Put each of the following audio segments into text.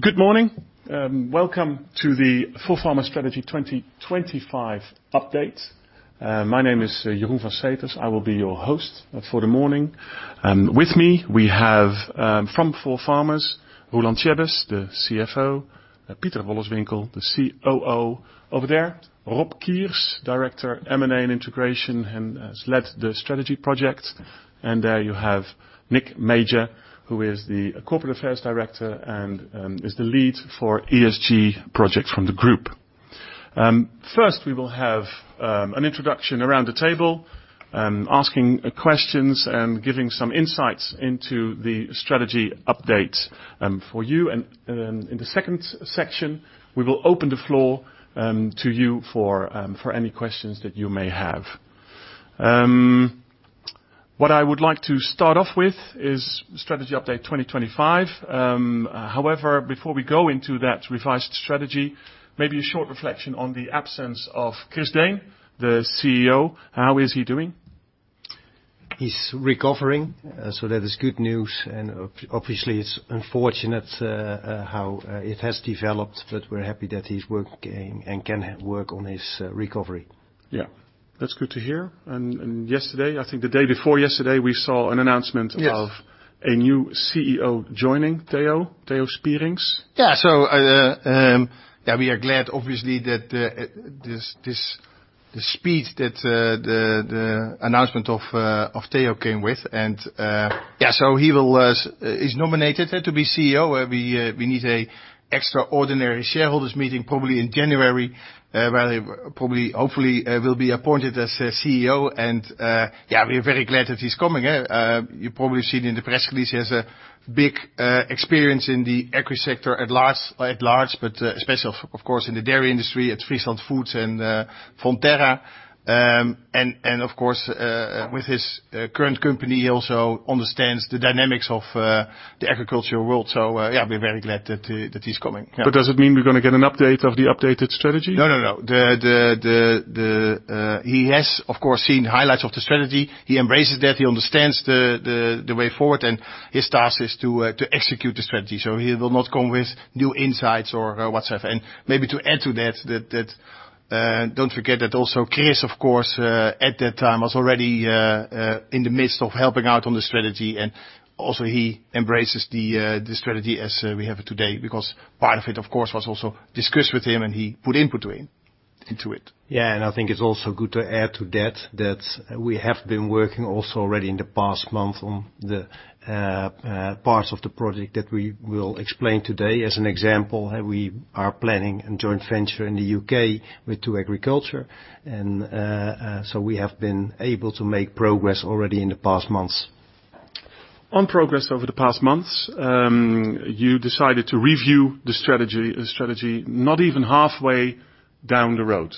Good morning. Welcome to the ForFarmers Strategy 2025 update. My name is Jeroen van Setten. I will be your host for the morning. With me we have from ForFarmers, Roeland Tjebbes, the CFO, and Pieter Wolleswinkel, the COO. Over there, Rob Kiers, Director M&A and Integration, and has led the strategy project. There you have Nick Major, who is the Corporate Affairs Director and is the lead for ESG project from the group. First we will have an introduction around the table, asking questions and giving some insights into the strategy update for you. In the second section, we will open the floor to you for any questions that you may have. What I would like to start off with is strategy update 2025. However, before we go into that revised strategy, maybe a short reflection on the absence of Chris Deen, the CEO. How is he doing? He's recovering, so that is good news. Obviously it's unfortunate how it has developed, but we're happy that he's working and can work on his recovery. Yeah, that's good to hear. Yesterday, I think the day before yesterday, we saw an announcement. Yes Of a new CEO joining, Theo Spierings. Yeah. We are glad obviously that this speed that the announcement of Theo came with. Yeah, he is nominated to be CEO, where we need a extraordinary shareholders meeting probably in January, where they probably, hopefully, will be appointed as CEO. Yeah, we're very glad that he's coming, yeah. You probably seen in the press release, he has a big experience in the agri sector at large, but especially of course in the dairy industry at Friesland Foods and Fonterra. Of course, with his current company, he also understands the dynamics of the agricultural world. Yeah, we're very glad that he's coming. Yeah. Does it mean we're gonna get an update of the updated strategy? No. He has, of course, seen highlights of the strategy. He embraces that, he understands the way forward, and his task is to execute the strategy. He will not come with new insights or whatsoever. Maybe to add to that, don't forget that also Chris, of course, at that time was already in the midst of helping out on the strategy and also he embraces the strategy as we have it today because part of it, of course, was also discussed with him and he put input into it. Yeah. I think it's also good to add to that we have been working also already in the past month on the parts of the project that we will explain today as an example. We are planning a joint venture in the U.K. with 2Agriculture. We have been able to make progress already in the past months. On progress over the past months, you decided to review the strategy not even halfway down the road.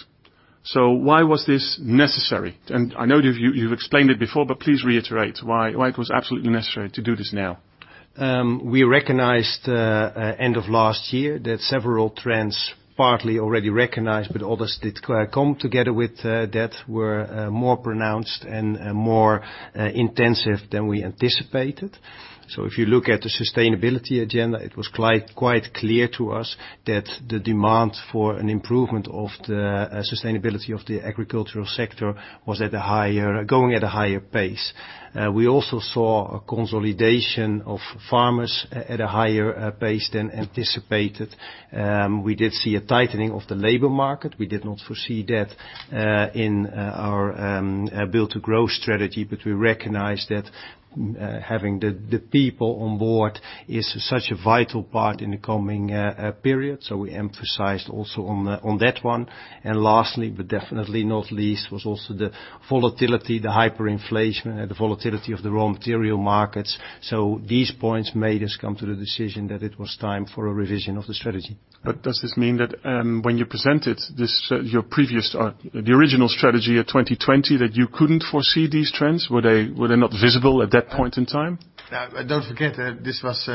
Why was this necessary? I know you've explained it before, but please reiterate why it was absolutely necessary to do this now. We recognized end of last year that several trends partly already recognized, but others did come together that were more pronounced and more intensive than we anticipated. If you look at the sustainability agenda, it was quite clear to us that the demand for an improvement of the sustainability of the agricultural sector was going at a higher pace. We also saw a consolidation of farmers at a higher pace than anticipated. We did see a tightening of the labor market. We did not foresee that in our Build to Grow strategy, but we recognized that having the people on board is such a vital part in the coming period. We emphasized also on that one. Lastly, but definitely not least, was also the volatility, the hyperinflation and the volatility of the raw material markets. These points made us come to the decision that it was time for a revision of the strategy. Does this mean that, when you presented the original strategy of 2020, that you couldn't foresee these trends? Were they not visible at that point in time? Yeah. Don't forget, this was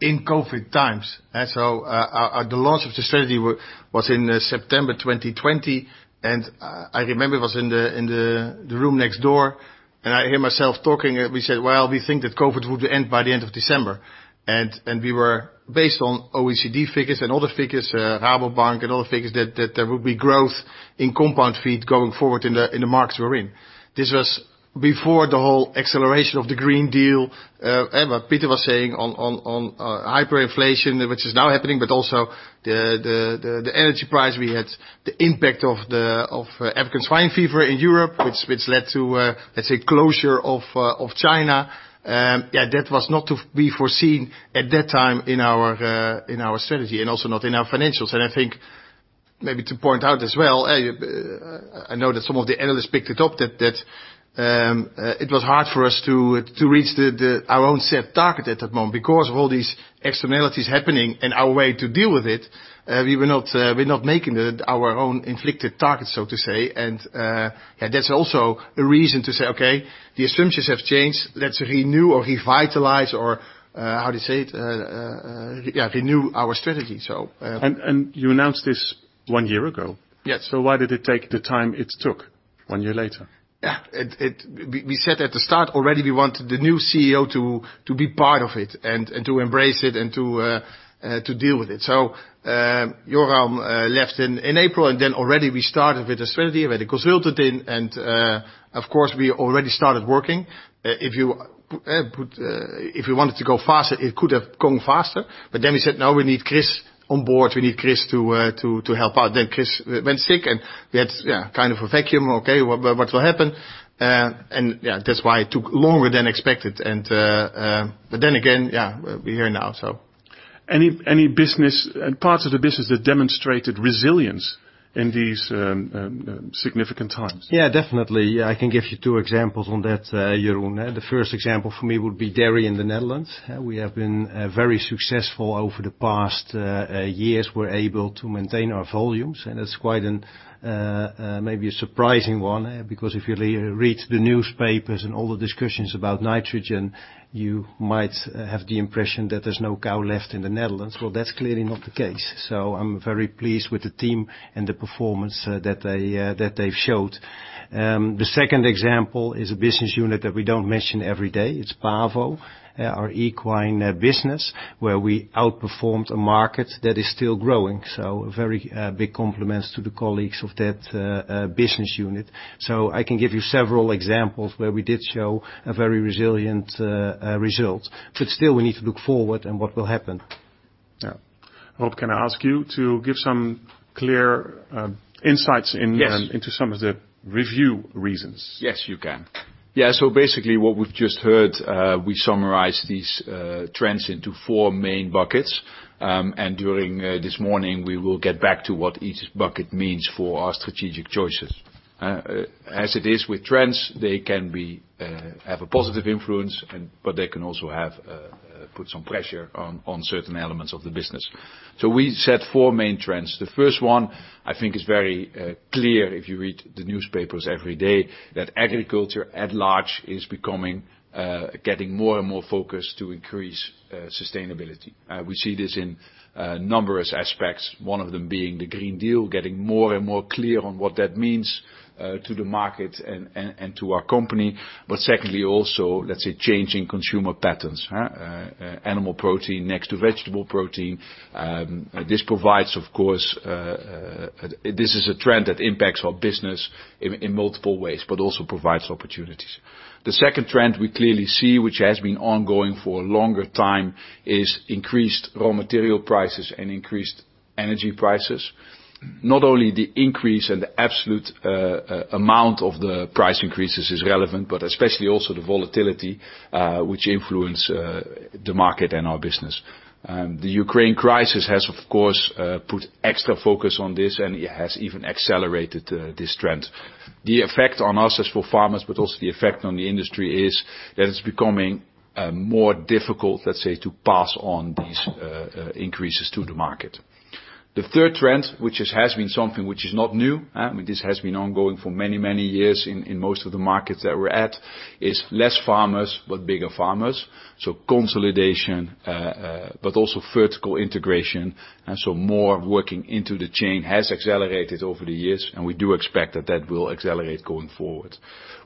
in COVID times. The launch of the strategy was in September 2020, and I remember it was in the room next door, and I hear myself talking, and we said, "Well, we think that COVID would end by the end of December." We were based on OECD figures and other figures, Rabobank and other figures that there would be growth in compound feed going forward in the markets we're in. This was before the whole acceleration of the Green Deal and what Pieter was saying on hyperinflation, which is now happening, but also the energy price we had, the impact of African swine fever in Europe, which led to, let's say, closure of China. Yeah, that was not to be foreseen at that time in our strategy and also not in our financials. I think maybe to point out as well, I know that some of the analysts picked it up that it was hard for us to reach our own set target at that moment because of all these externalities happening. Our way to deal with it, we're not making it our own inflicted target, so to say. Yeah, that's also a reason to say, "Okay, the assumptions have changed. Let's renew or revitalize or, how to say it, renew our strategy. You announced this one year ago. Yes. Why did it take the time it took? One year later. Yeah. We said at the start already we want the new CEO to be part of it and to embrace it and to deal with it. Yoram left in April, and then already we started with the strategy. We had a consultant in and, of course, we already started working. If we wanted to go faster, it could have gone faster. We said, "No, we need Chris on board. We need Chris to help out." Chris went sick, and we had, yeah, kind of a vacuum. Okay, what will happen? Yeah, that's why it took longer than expected. Yeah, we're here now. Any business and parts of the business that demonstrated resilience in these significant times? Yeah, definitely. I can give you two examples on that, Jeroen. The first example for me would be dairy in the Netherlands. We have been very successful over the past years. We're able to maintain our volumes, and it's maybe a surprising one, because if you re-read the newspapers and all the discussions about nitrogen, you might have the impression that there's no cow left in the Netherlands. Well, that's clearly not the case. I'm very pleased with the team and the performance that they've showed. The second example is a business unit that we don't mention every day. It's Pavo, our equine business, where we outperformed a market that is still growing. Very big compliments to the colleagues of that business unit. I can give you several examples where we did show a very resilient result. Still we need to look forward and what will happen. Yeah. Rob, can I ask you to give some clear insights in? Yes. Into some of the review reasons? Yes, you can. Yeah. Basically what we've just heard, we summarize these trends into four main buckets. During this morning, we will get back to what each bucket means for our strategic choices. As it is with trends, they can have a positive influence, but they can also put some pressure on certain elements of the business. We set four main trends. The first one, I think it's very clear if you read the newspapers every day, that agriculture at large is getting more and more focused to increase sustainability. We see this in numerous aspects, one of them being the Green Deal, getting more and more clear on what that means to the market and to our company. Secondly, also, let's say, changing consumer patterns. Animal protein next to vegetable protein. This is a trend that impacts our business in multiple ways, but also provides opportunities. The second trend we clearly see, which has been ongoing for a longer time, is increased raw material prices and increased energy prices. Not only the increase in the absolute amount of the price increases is relevant, but especially also the volatility, which influence the market and our business. The Ukraine crisis has, of course, put extra focus on this, and it has even accelerated this trend. The effect on us as ForFarmers, but also the effect on the industry, is that it's becoming more difficult, let's say, to pass on these increases to the market. The third trend, which has been something which is not new, this has been ongoing for many, many years in most of the markets that we're at, is less farmers but bigger farmers. Consolidation but also vertical integration and more working into the chain has accelerated over the years. We do expect that that will accelerate going forward.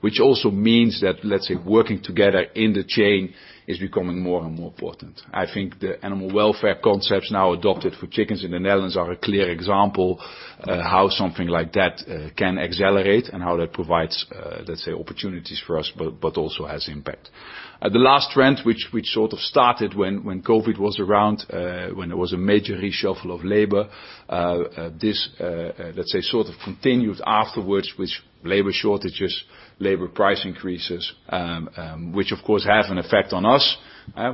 Which also means that, let's say, working together in the chain is becoming more and more important. I think the animal welfare concepts now adopted for chickens in the Netherlands are a clear example how something like that can accelerate and how that provides, let's say, opportunities for us but also has impact. The last trend, which sort of started when COVID was around, when there was a major reshuffle of labor, this, let's say, sort of continued afterwards with labor shortages, labor price increases, which of course have an effect on us.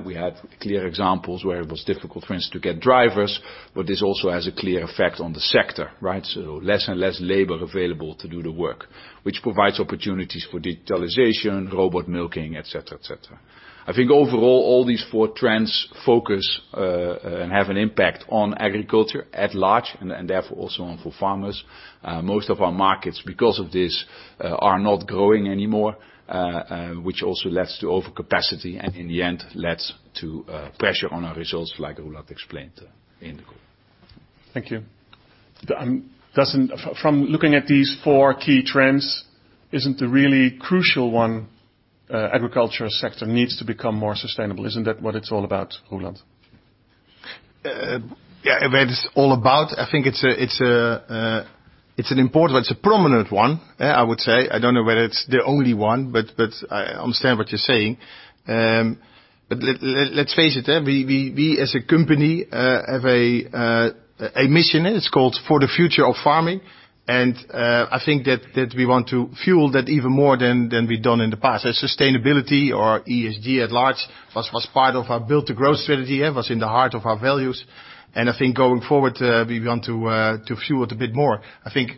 We had clear examples where it was difficult for instance to get drivers. This also has a clear effect on the sector, right? Less and less labor available to do the work, which provides opportunities for digitalization, robot milking, et cetera, et cetera. I think overall, all these four trends focus and have an impact on agriculture at large and therefore also on ForFarmers. Most of our markets, because of this, are not growing anymore, which also leads to overcapacity, and in the end, leads to pressure on our results, like Roeland explained in the group. Thank you. From looking at these four key trends, isn't the really crucial one, agriculture sector needs to become more sustainable? Isn't that what it's all about, Roeland? Yeah, whether it's all about, I think it's an important, it's a prominent one, I would say. I don't know whether it's the only one, but I understand what you're saying. Let's face it, we as a company have a mission, and it's called For the Future of Farming. I think that we want to fuel that even more than we've done in the past. As sustainability or ESG at large was part of our Build to Grow strategy, was in the heart of our values. I think going forward, we want to fuel it a bit more. I think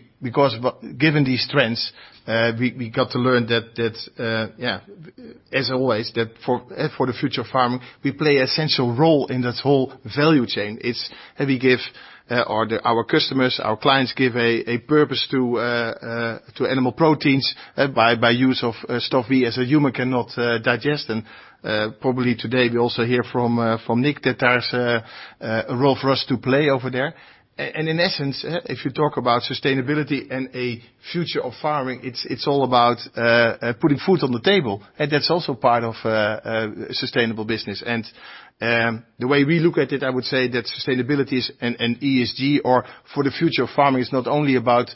given these trends, we got to learn, yeah, as always, that For the Future of Farming, we play essential role in this whole value chain. Our customers, our clients give a purpose to animal proteins by use of stuff we as a human cannot digest. Probably today we also hear from Nick that there's a role for us to play over there. In essence, if you talk about sustainability and a future of farming, it's all about putting food on the table. That's also part of sustainable business. And, um, the way we look at it, I would say that sustainability is, and ESG or For the Future of Farming is not only about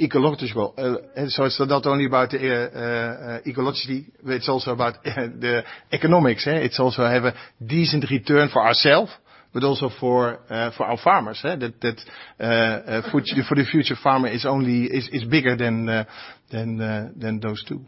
ecological... Uh, uh, sorry. It's not only about, uh, ecologically, but it's also about, uh, the economics, eh? It's also have a decent return for ourself, but also for, uh, for our farmers, huh? That, that, uh, fu- for the future farmer is only... is bigger than, uh, than, uh, than those two.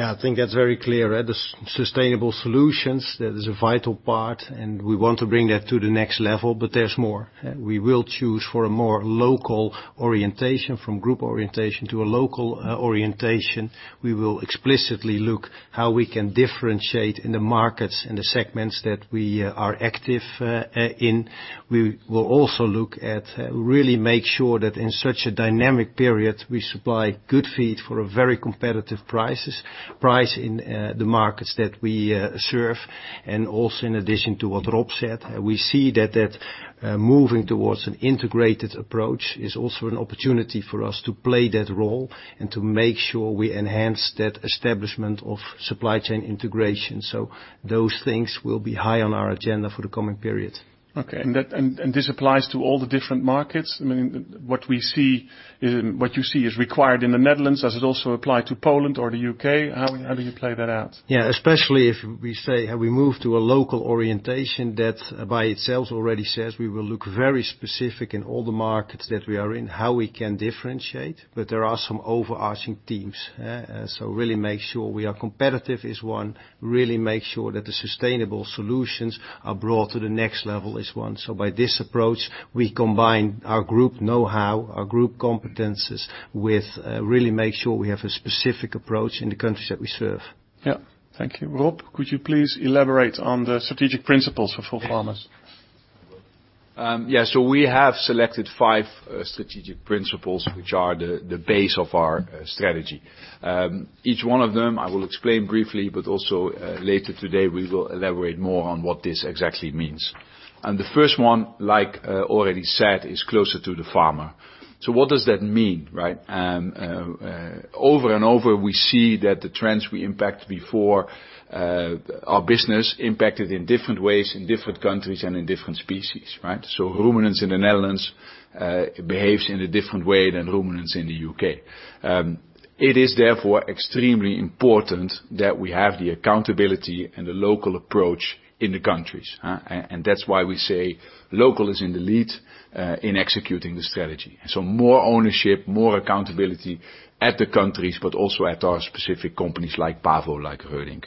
I think that's very clear. The sustainable solutions, that is a vital part, and we want to bring that to the next level, but there's more. We will choose for a more local orientation, from group orientation to a local orientation. We will explicitly look how we can differentiate in the markets and the segments that we are active in. We will also look at really make sure that in such a dynamic period, we supply good feed for a very competitive price in the markets that we serve. Also in addition to what Rob said, we see that moving towards an integrated approach is also an opportunity for us to play that role and to make sure we enhance that establishment of supply chain integration. Those things will be high on our agenda for the coming period. Okay. This applies to all the different markets? I mean, what you see is required in the Netherlands, does it also apply to Poland or the U.K.? How do you play that out? Yeah. Especially if we say we move to a local orientation, that by itself already says we will look very specific in all the markets that we are in, how we can differentiate. There are some overarching themes, yeah. Really make sure we are competitive is one, really make sure that the sustainable solutions are brought to the next level is one. By this approach, we combine our group know-how, our group competencies with really make sure we have a specific approach in the countries that we serve. Yeah. Thank you. Rob, could you please elaborate on the strategic principles of ForFarmers? Yeah. We have selected five strategic principles which are the base of our strategy. Each one of them, I will explain briefly, but also later today we will elaborate more on what this exactly means. The first one, like already said, is closer to the farmer. What does that mean, right? Over and over we see that the trends we impact before, our business impacted in different ways in different countries and in different species, right? Ruminants in the Netherlands behaves in a different way than ruminants in the U.K. It is therefore extremely important that we have the accountability and the local approach in the countries, huh. That's why we say local is in the lead in executing the strategy. More ownership, more accountability at the countries, but also at our specific companies like Pavo, like Reudink.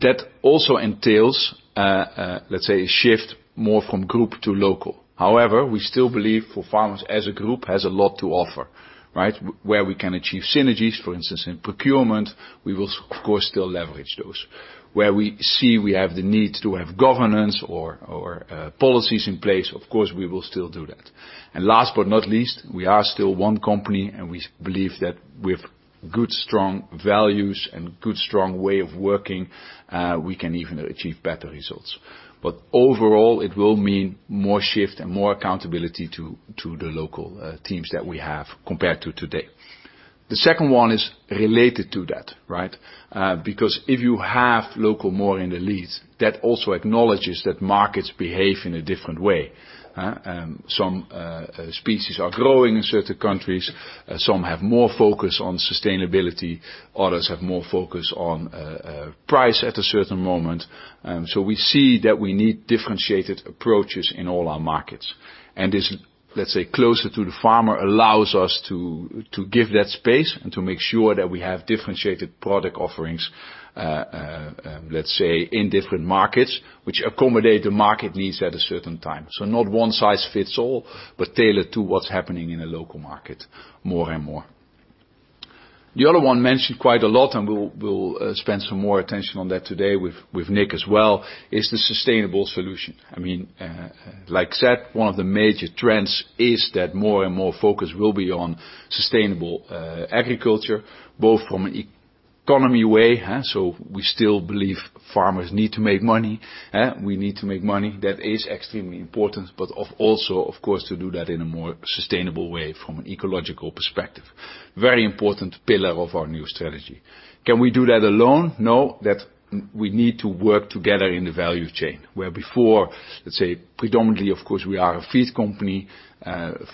That also entails, let's say, a shift more from group to local. However, we still believe ForFarmers as a group has a lot to offer, right? Where we can achieve synergies, for instance, in procurement, we will, of course, still leverage those. Where we see we have the need to have governance or policies in place, of course, we will still do that. Last but not least, we are still one company and we believe that with good strong values and good strong way of working, we can even achieve better results. Overall, it will mean more shift and more accountability to the local teams that we have compared to today. The second one is related to that, right? Because if you have local more in the lead, that also acknowledges that markets behave in a different way, huh. Some species are growing in certain countries, some have more focus on sustainability, others have more focus on price at a certain moment. We see that we need differentiated approaches in all our markets. This, let's say, closer to the farmer allows us to give that space and to make sure that we have differentiated product offerings, let's say in different markets which accommodate the market needs at a certain time. Not one size fits all, but tailored to what's happening in a local market more and more. The other one mentioned quite a lot, and we'll spend some more attention on that today with Nick as well, is the sustainable solution. I mean, like said, one of the major trends is that more and more focus will be on sustainable agriculture, both from an economy way. We still believe farmers need to make money. We need to make money. That is extremely important. Also, of course, to do that in a more sustainable way from an ecological perspective. Very important pillar of our new strategy. Can we do that alone? No. We need to work together in the value chain. Where before, let's say predominantly, of course, we are a feed company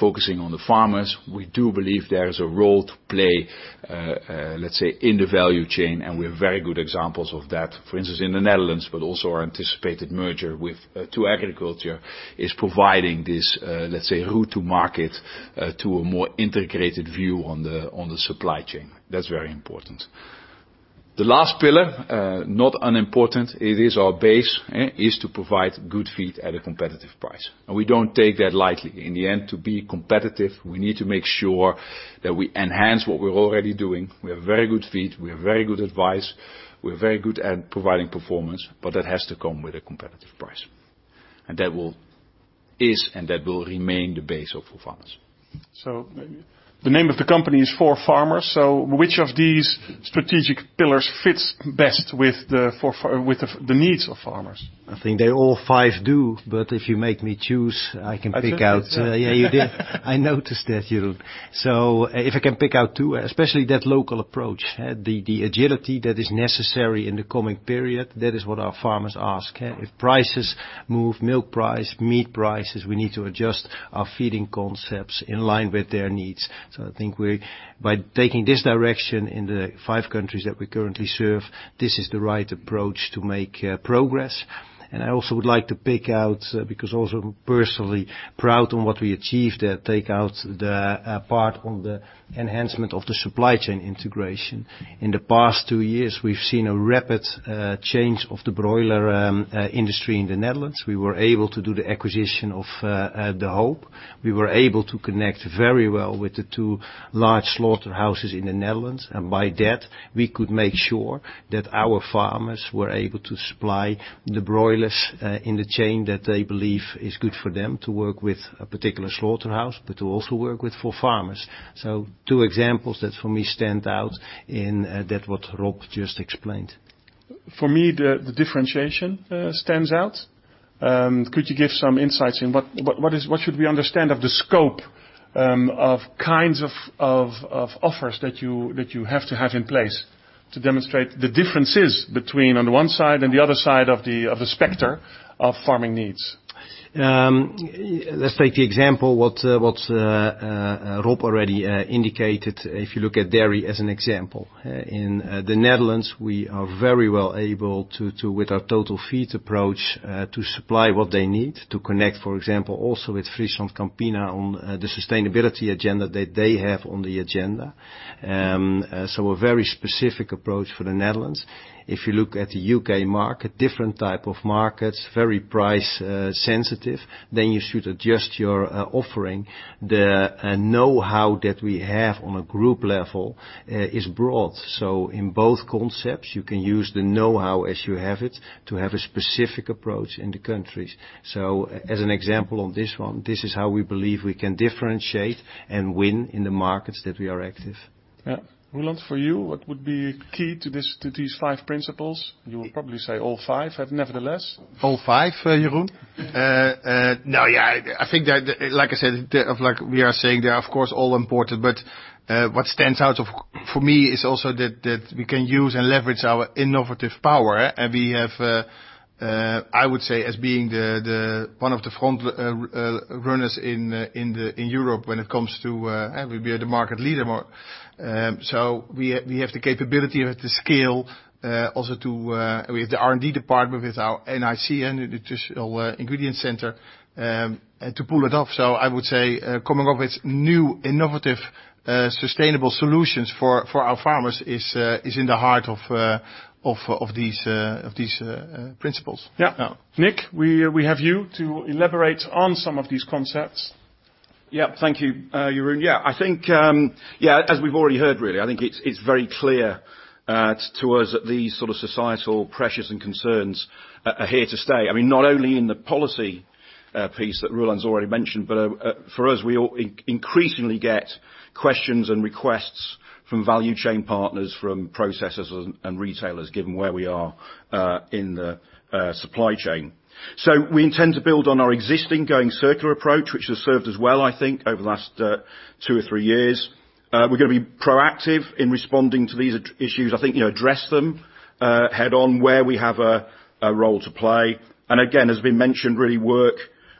focusing on the farmers, we do believe there is a role to play, let's say, in the value chain, and we have very good examples of that. For instance, in the Netherlands, but also our anticipated merger with 2Agriculture is providing this, let's say, route to market to a more integrated view on the supply chain. That's very important. The last pillar, not unimportant, it is our base, yeah, is to provide good feed at a competitive price. We don't take that lightly. In the end, to be competitive, we need to make sure that we enhance what we're already doing. We have very good feed. We have very good advice. We're very good at providing performance, but that has to come with a competitive price. That will remain the base of ForFarmers. The name of the company is ForFarmers. Which of these strategic pillars fits best with the needs of farmers? I think they all five do, but if you make me choose, I can pick out. I took it. Yeah, you did. I noticed that, Jeroen. If I can pick out two, especially that local approach. The agility that is necessary in the coming period, that is what our farmers ask. If prices move, milk price, meat prices, we need to adjust our feeding concepts in line with their needs. By taking this direction in the five countries that we currently serve, this is the right approach to make progress. I also would like to pick out, because also personally proud on what we achieved, take out the part on the enhancement of the supply chain integration. In the past two years, we've seen a rapid change of the broiler industry in the Netherlands. We were able to do the acquisition of De Hoop. We were able to connect very well with the two large slaughterhouses in the Netherlands, and by that, we could make sure that our farmers were able to supply the broilers in the chain that they believe is good for them to work with a particular slaughterhouse, but to also work with ForFarmers. Two examples that for me stand out in what Rob just explained. For me, the differentiation stands out. Could you give some insights in what should we understand of the scope of kinds of offers that you have to have in place to demonstrate the differences between on the one side and the other side of the spectrum of farming needs? Let's take the example what Rob already indicated, if you look at dairy as an example. In the Netherlands, we are very well able to, with our Total Feed approach, to supply what they need to connect, for example, also with FrieslandCampina on the sustainability agenda that they have on the agenda. A very specific approach for the Netherlands. If you look at the U.K. market, different type of markets, very price sensitive, then you should adjust your offering. The know-how that we have on a group level is broad. In both concepts, you can use the know-how as you have it to have a specific approach in the countries. As an example on this one, this is how we believe we can differentiate and win in the markets that we are active. Yeah. Roeland, for you, what would be key to these five principles? You will probably say all five, but nevertheless. All five, Jeroen. No, yeah, I think that, like I said, like we are saying, they are of course all important, but what stands out for me is also that we can use and leverage our innovative power. We have, I would say as being the one of the frontrunners in Europe when it comes to, we are the market leader. We have the capability, we have the scale, also we have the R&D department with our NIC, Nutritional Innovation Centre, to pull it off. I would say coming up with new innovative, sustainable solutions for our farmers is in the heart of these principles. Yeah. Yeah. Nick, we have you to elaborate on some of these concepts. Yeah. Thank you, Jeroen. Yeah. I think, yeah, as we've already heard, really, I think it's very clear to us that these sort of societal pressures and concerns are here to stay. I mean, not only in the policy piece that Roeland's already mentioned, but for us, we increasingly get questions and requests from value chain partners, from processors and retailers, given where we are in the supply chain. We intend to build on our existing Going Circular approach, which has served us well, I think, over the last two or three years. We're gonna be proactive in responding to these issues. I think, you know, address them head-on where we have a role to play. Again, as has been mentioned, really work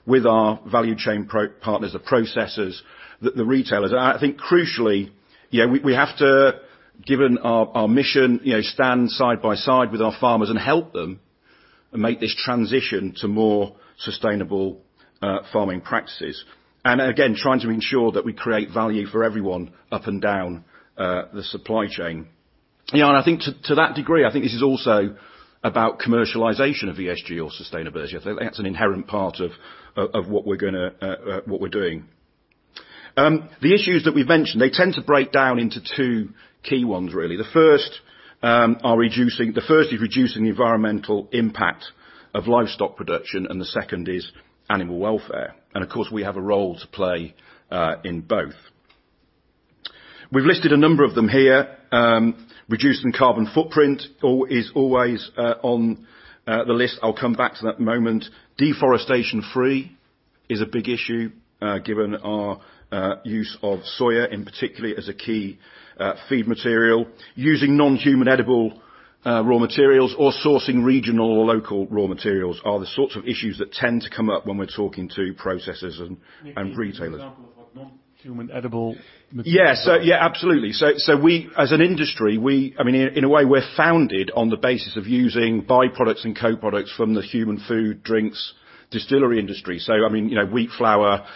with our value chain partners, the processors, the retailers. I think crucially, yeah, we have to, given our mission, you know, stand side by side with our farmers and help them make this transition to more sustainable farming practices. Again, trying to ensure that we create value for everyone up and down the supply chain. You know, and I think to that degree, I think this is also about commercialization of ESG or sustainability. I think that's an inherent part of what we're doing. The issues that we've mentioned, they tend to break down into two key ones, really. The first is reducing the environmental impact of livestock production, and the second is animal welfare. Of course, we have a role to play in both. We've listed a number of them here. Reducing carbon footprint is always on the list. I'll come back to that in a moment. Deforestation-free is a big issue given our use of soya, in particularly as a key feed material. Using non-human-edible raw materials or sourcing regional or local raw materials are the sorts of issues that tend to come up when we're talking to processors and retailers. Nick, can you give an example of a non-human edible material? Yeah. Yeah, absolutely. We, as an industry, we, I mean, in a way, we're founded on the basis of using by-products and co-products from the human food, drinks, distillery industry. I mean, you know, wheat flour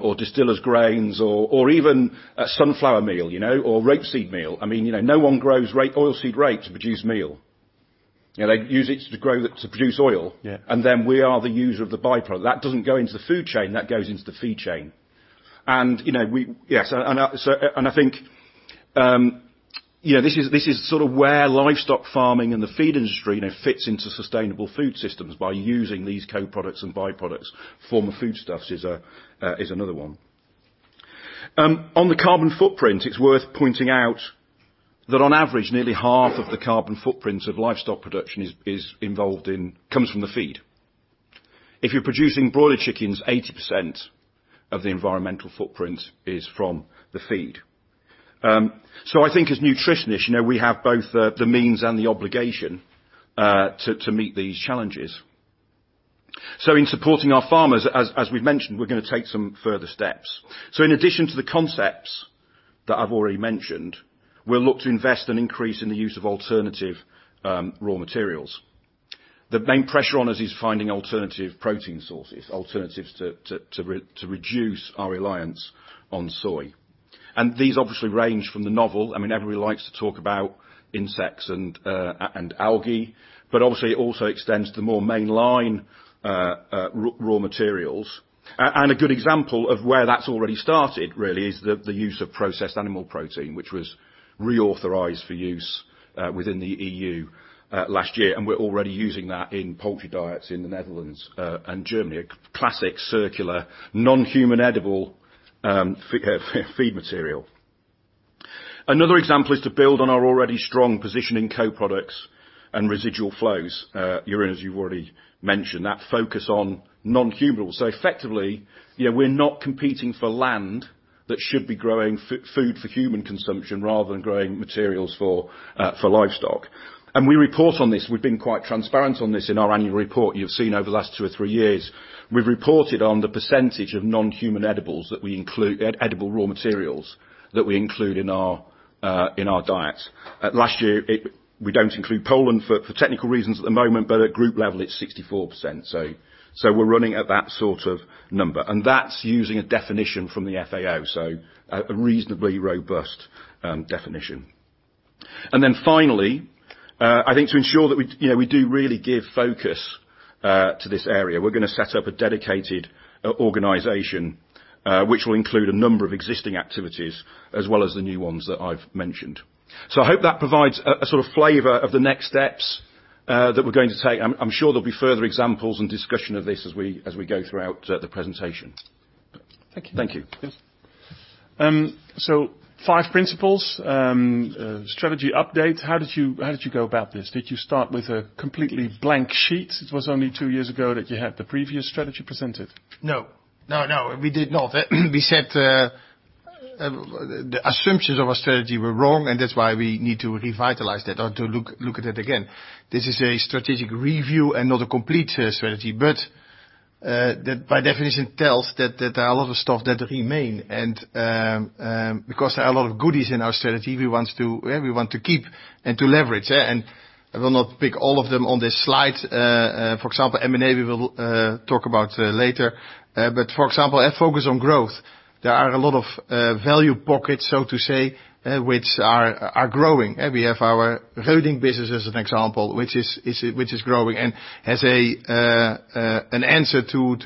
or distillers' grains or even a sunflower meal, you know, or rapeseed meal. I mean, you know, no one grows oilseed rape to produce meal. You know, they use it to produce oil. Yeah. We are the user of the by-product. That doesn't go into the food chain. That goes into the feed chain. You know, I think, you know, this is sort of where livestock farming and the feed industry, you know, fits into sustainable food systems by using these co-products and by-products. Former foodstuffs is another one. On the carbon footprint, it's worth pointing out that on average, nearly half of the carbon footprint of livestock production comes from the feed. If you're producing broiler chickens, 80% of the environmental footprint is from the feed. I think as nutritionists, you know, we have both the means and the obligation to meet these challenges. In supporting our farmers, as we've mentioned, we're gonna take some further steps. In addition to the concepts that I've already mentioned, we'll look to invest and increase in the use of alternative raw materials. The main pressure on us is finding alternative protein sources, alternatives to reduce our reliance on soy. These obviously range from the novel. I mean, everybody likes to talk about insects and algae, but obviously, it also extends to the more mainline raw materials. A good example of where that's already started, really, is the use of processed animal protein, which was reauthorized for use within the E.U. last year, and we're already using that in poultry diets in the Netherlands and Germany. A classic circular, non-human edible feed material. Another example is to build on our already strong position in co-products and residual flows. Jeroen, as you've already mentioned, that focus on non-human. Effectively, you know, we're not competing for land that should be growing food for human consumption rather than growing materials for livestock. We report on this. We've been quite transparent on this in our annual report you've seen over the last two or three years. We've reported on the percentage of non-human edible raw materials that we include in our diets. We don't include Poland for technical reasons at the moment, but at group level it's 64%. We're running at that sort of number, and that's using a definition from the FAO, so a reasonably robust definition. Finally, I think to ensure that, you know, we do really give focus to this area, we're gonna set up a dedicated organization, which will include a number of existing activities as well as the new ones that I've mentioned. I hope that provides a sort of flavor of the next steps that we're going to take. I'm sure there'll be further examples and discussion of this as we go throughout the presentation. Thank you. Thank you. Yes. Five principles. Strategy update. How did you go about this? Did you start with a completely blank sheet? It was only two years ago that you had the previous strategy presented. No, we did not. We said the assumptions of our strategy were wrong, and that's why we need to revitalize that or to look at it again. This is a strategic review and not a complete strategy. That by definition tells that a lot of stuff that remain and because there are a lot of goodies in our strategy we want to keep and to leverage. I will not pick all of them on this slide. For example, M&A we will talk about later. For example, focus on growth. There are a lot of value pockets, so to say, which are growing. We have our Reudink business as an example, which is growing and has an answer to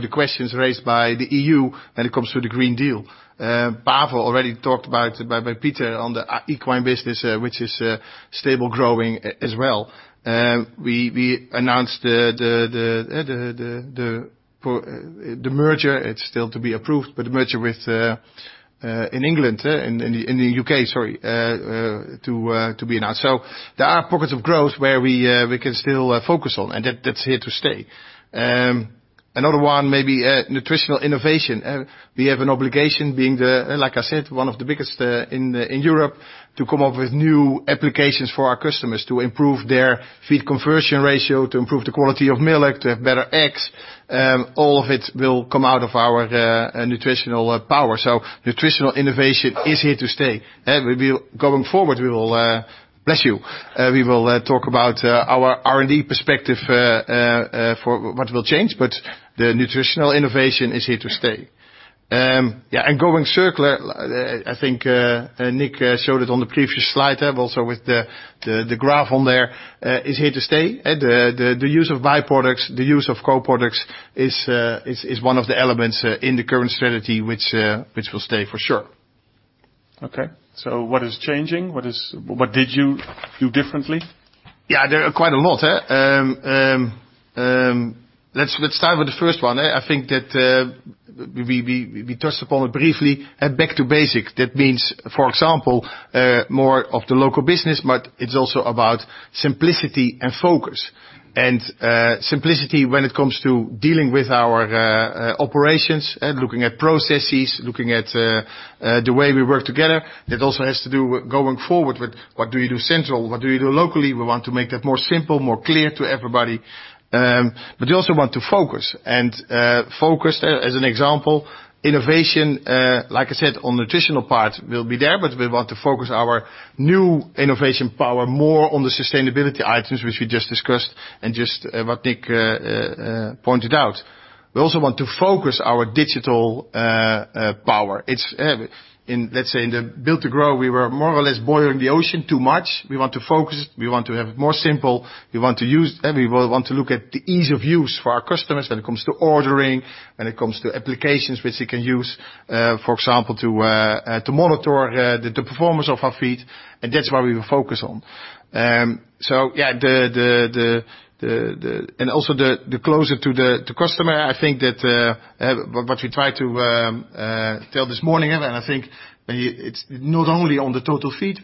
the questions raised by the E.U. when it comes to the Green Deal. Pavo already talked about by Pieter on the equine business, which is stable growing as well. We announced the merger, it's still to be approved, but the merger with in the U.K., sorry, to be announced. There are pockets of growth where we can still focus on, and that's here to stay. Another one may be nutritional innovation. We have an obligation being the, like I said, one of the biggest in Europe to come up with new applications for our customers to improve their feed conversion ratio, to improve the quality of milk, to have better eggs. All of it will come out of our nutritional power. Nutritional innovation is here to stay. Going forward, we will bless you. We will talk about our R&D perspective for what will change, but the nutritional innovation is here to stay. Yeah, Going Circular, I think Nick showed it on the previous slide, but also with the graph on there, is here to stay. The use of byproducts, the use of co-products is one of the elements in the current strategy, which will stay for sure. Okay. What is changing? What did you do differently? Yeah, there are quite a lot, huh? Let's start with the first one. I think that we touched upon it briefly. Back to basic. That means, for example, more of the local business, but it's also about simplicity and focus. Simplicity when it comes to dealing with our operations, looking at processes, looking at the way we work together. That also has to do with going forward with what do you do central, what do you do locally? We want to make that more simple, more clear to everybody. We also want to focus, as an example, innovation, like I said, on nutritional part will be there, but we want to focus our new innovation power more on the sustainability items, which we just discussed and just what Nick pointed out. We also want to focus our digital power. In, let's say, the Build to Grow, we were more or less boiling the ocean too much. We want to focus. We want to have it more simple. We want to look at the ease of use for our customers when it comes to ordering, when it comes to applications which they can use, for example, to monitor the performance of our feed, and that's where we will focus on. The closer to the customer, I think that what we tried to tell this morning, and I think it's not only on the Total Feed.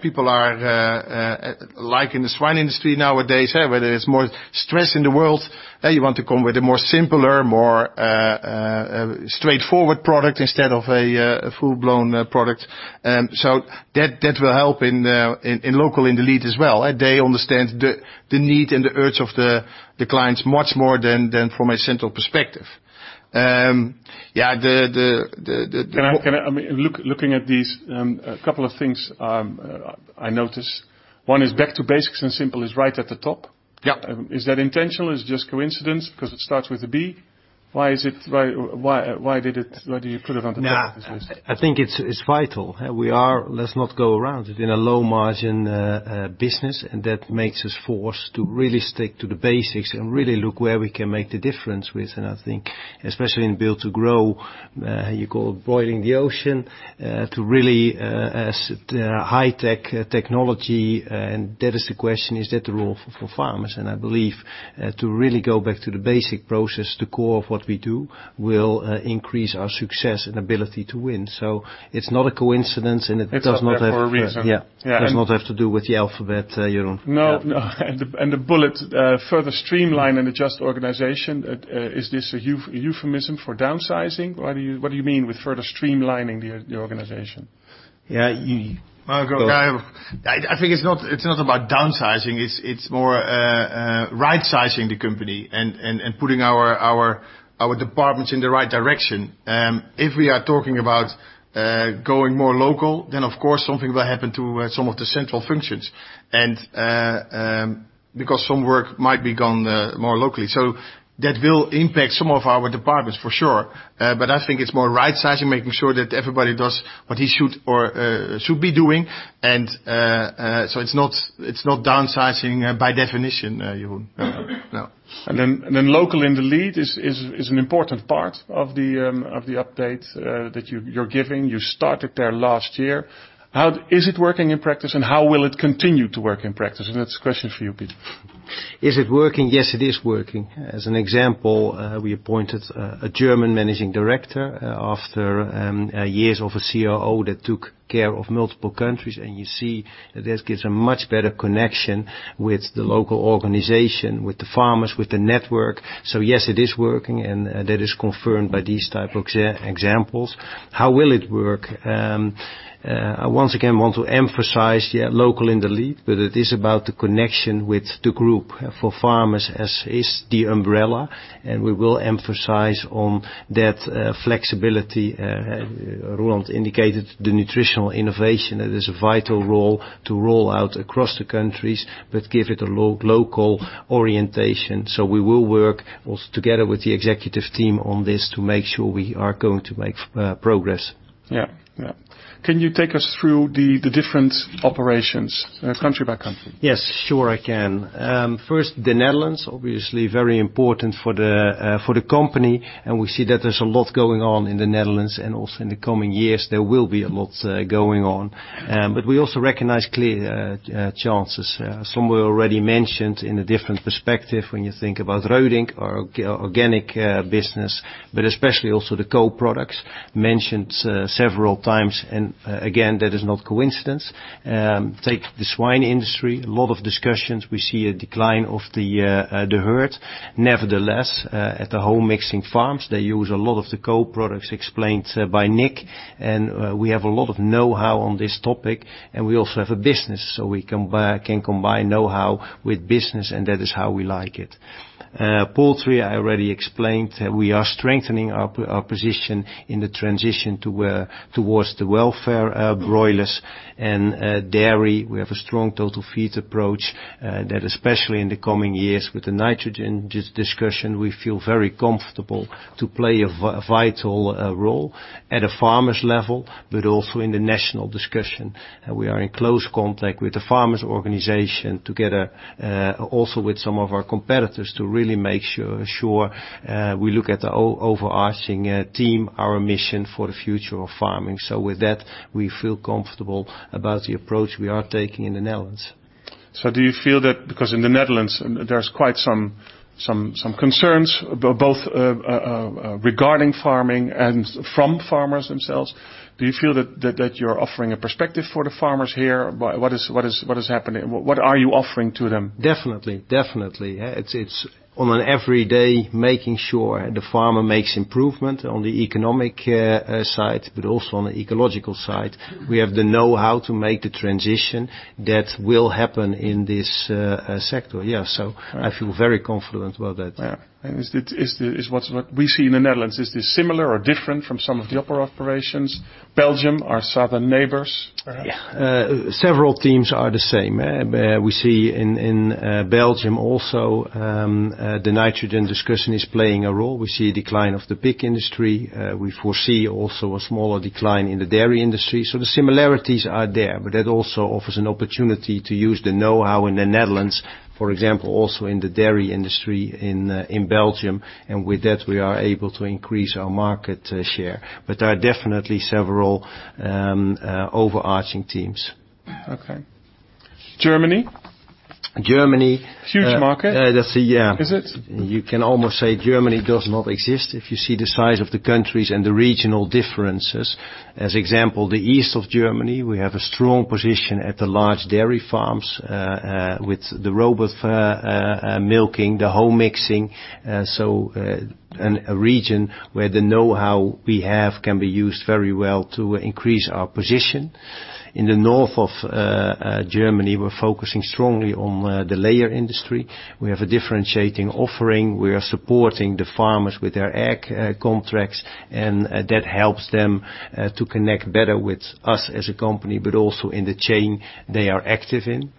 People are like in the swine industry nowadays, where there is more stress in the world, you want to come with a more simpler, more straightforward product instead of a full-blown product. That will help in local, in the lead as well. They understand the need and the urge of the clients much more than from a central perspective. I mean, looking at these, a couple of things I notice. One is back to basics and simple is right at the top. Yeah. Is that intentional? Is it just coincidence because it starts with a B? Why do you put it on the business? Yeah. I think it's vital. We are, let's not go around it, in a low margin business. That makes us forced to really stick to the basics and really look where we can make the difference with. I think especially in Build to Grow, you call it boiling the ocean, high-tech technology. That is the question, is that the role ForFarmers? I believe to really go back to the basic process, the core of what we do, will increase our success and ability to win. It's not a coincidence, and it does not have. It's out there for a reason. Yeah. Yeah. It does not have to do with the alphabet, Jeroen. No. The bullet further streamline and adjust organization, is this a euphemism for downsizing? What do you mean with further streamlining the organization? Yeah. I think it's not about downsizing. It's more right-sizing the company and putting our departments in the right direction. If we are talking about going more local, then of course something will happen to some of the central functions because some work might be gone more locally. That will impact some of our departments for sure. I think it's more right-sizing, making sure that everybody does what he should or should be doing. It's not downsizing by definition, Jeroen. No. Local in the Lead is an important part of the update that you're giving. You started there last year. How is it working in practice, and how will it continue to work in practice? That's a question for you, Piet. Is it working? Yes, it is working. As an example, we appointed a German Managing Director after years of a COO that took care of multiple countries, and you see that this gives a much better connection with the local organization, with the farmers, with the network. Yes, it is working, and that is confirmed by these type of examples. How will it work? Once again, want to emphasize, yeah, local in the lead, but it is about the connection with the group. ForFarmers is the umbrella, and we will emphasize on that flexibility. As Roeland indicated, the nutritional innovation, that is a vital role to roll out across the countries, but give it a local orientation. We will work also together with the Executive Team on this to make sure we are going to make progress. Yeah. Can you take us through the different operations country by country? Yes, sure I can. First, the Netherlands, obviously very important for the company, and we see that there's a lot going on in the Netherlands and also in the coming years there will be a lot going on. We also recognize clear chances, some we already mentioned in a different perspective when you think about Reudink or organic business, but especially also the co-products mentioned several times. Again, that is not coincidence. Take the swine industry, a lot of discussions, we see a decline of the herd. Nevertheless, at the home mixing farms, they use a lot of the co-products explained by Nick. We have a lot of know-how on this topic, and we also have a business, so we can combine know-how with business, and that is how we like it. Poultry, I already explained, we are strengthening our position in the transition towards the welfare of broilers. Dairy, we have a strong Total Feed approach that especially in the coming years with the nitrogen discussion, we feel very comfortable to play a vital role at a farmer's level, but also in the national discussion. We are in close contact with the farmers organization together, also with some of our competitors, to really make sure we look at the overarching theme, our mission For the Future of Farming. With that, we feel comfortable about the approach we are taking in the Netherlands. Because in the Netherlands there's quite some concerns both regarding farming and from farmers themselves, do you feel that you're offering a perspective for the farmers here? What is happening? What are you offering to them? Definitely. It's on an every day making sure the farmer makes improvement on the economic side, but also on the ecological side. We have the know-how to make the transition that will happen in this sector. Yeah. I feel very confident about that. Yeah. We see in the Netherlands, is this similar or different from some of the other operations? Belgium, our southern neighbors. Yeah. Uh, several teams are the same. Uh, we see in, uh, Belgium also, um, uh, the nitrogen discussion is playing a role. We see a decline of the pig industry. Uh, we foresee also a smaller decline in the dairy industry. So the similarities are there, but that also offers an opportunity to use the know-how in the Netherlands, for example, also in the dairy industry in, uh, in Belgium. And with that, we are able to increase our market, uh, share. But there are definitely several, um, uh, overarching teams. Okay. Germany? Germany- Huge market. Yeah. Is it? You can almost say Germany does not exist if you see the size of the countries and the regional differences. As example, the east of Germany, we have a strong position at the large dairy farms with the robot milking, the home mixing, a region where the know-how we have can be used very well to increase our position. In the north of Germany, we're focusing strongly on the layer industry. We have a differentiating offering. We are supporting the farmers with their ag contracts, and that helps them to connect better with us as a company, but also in the chain they are active in.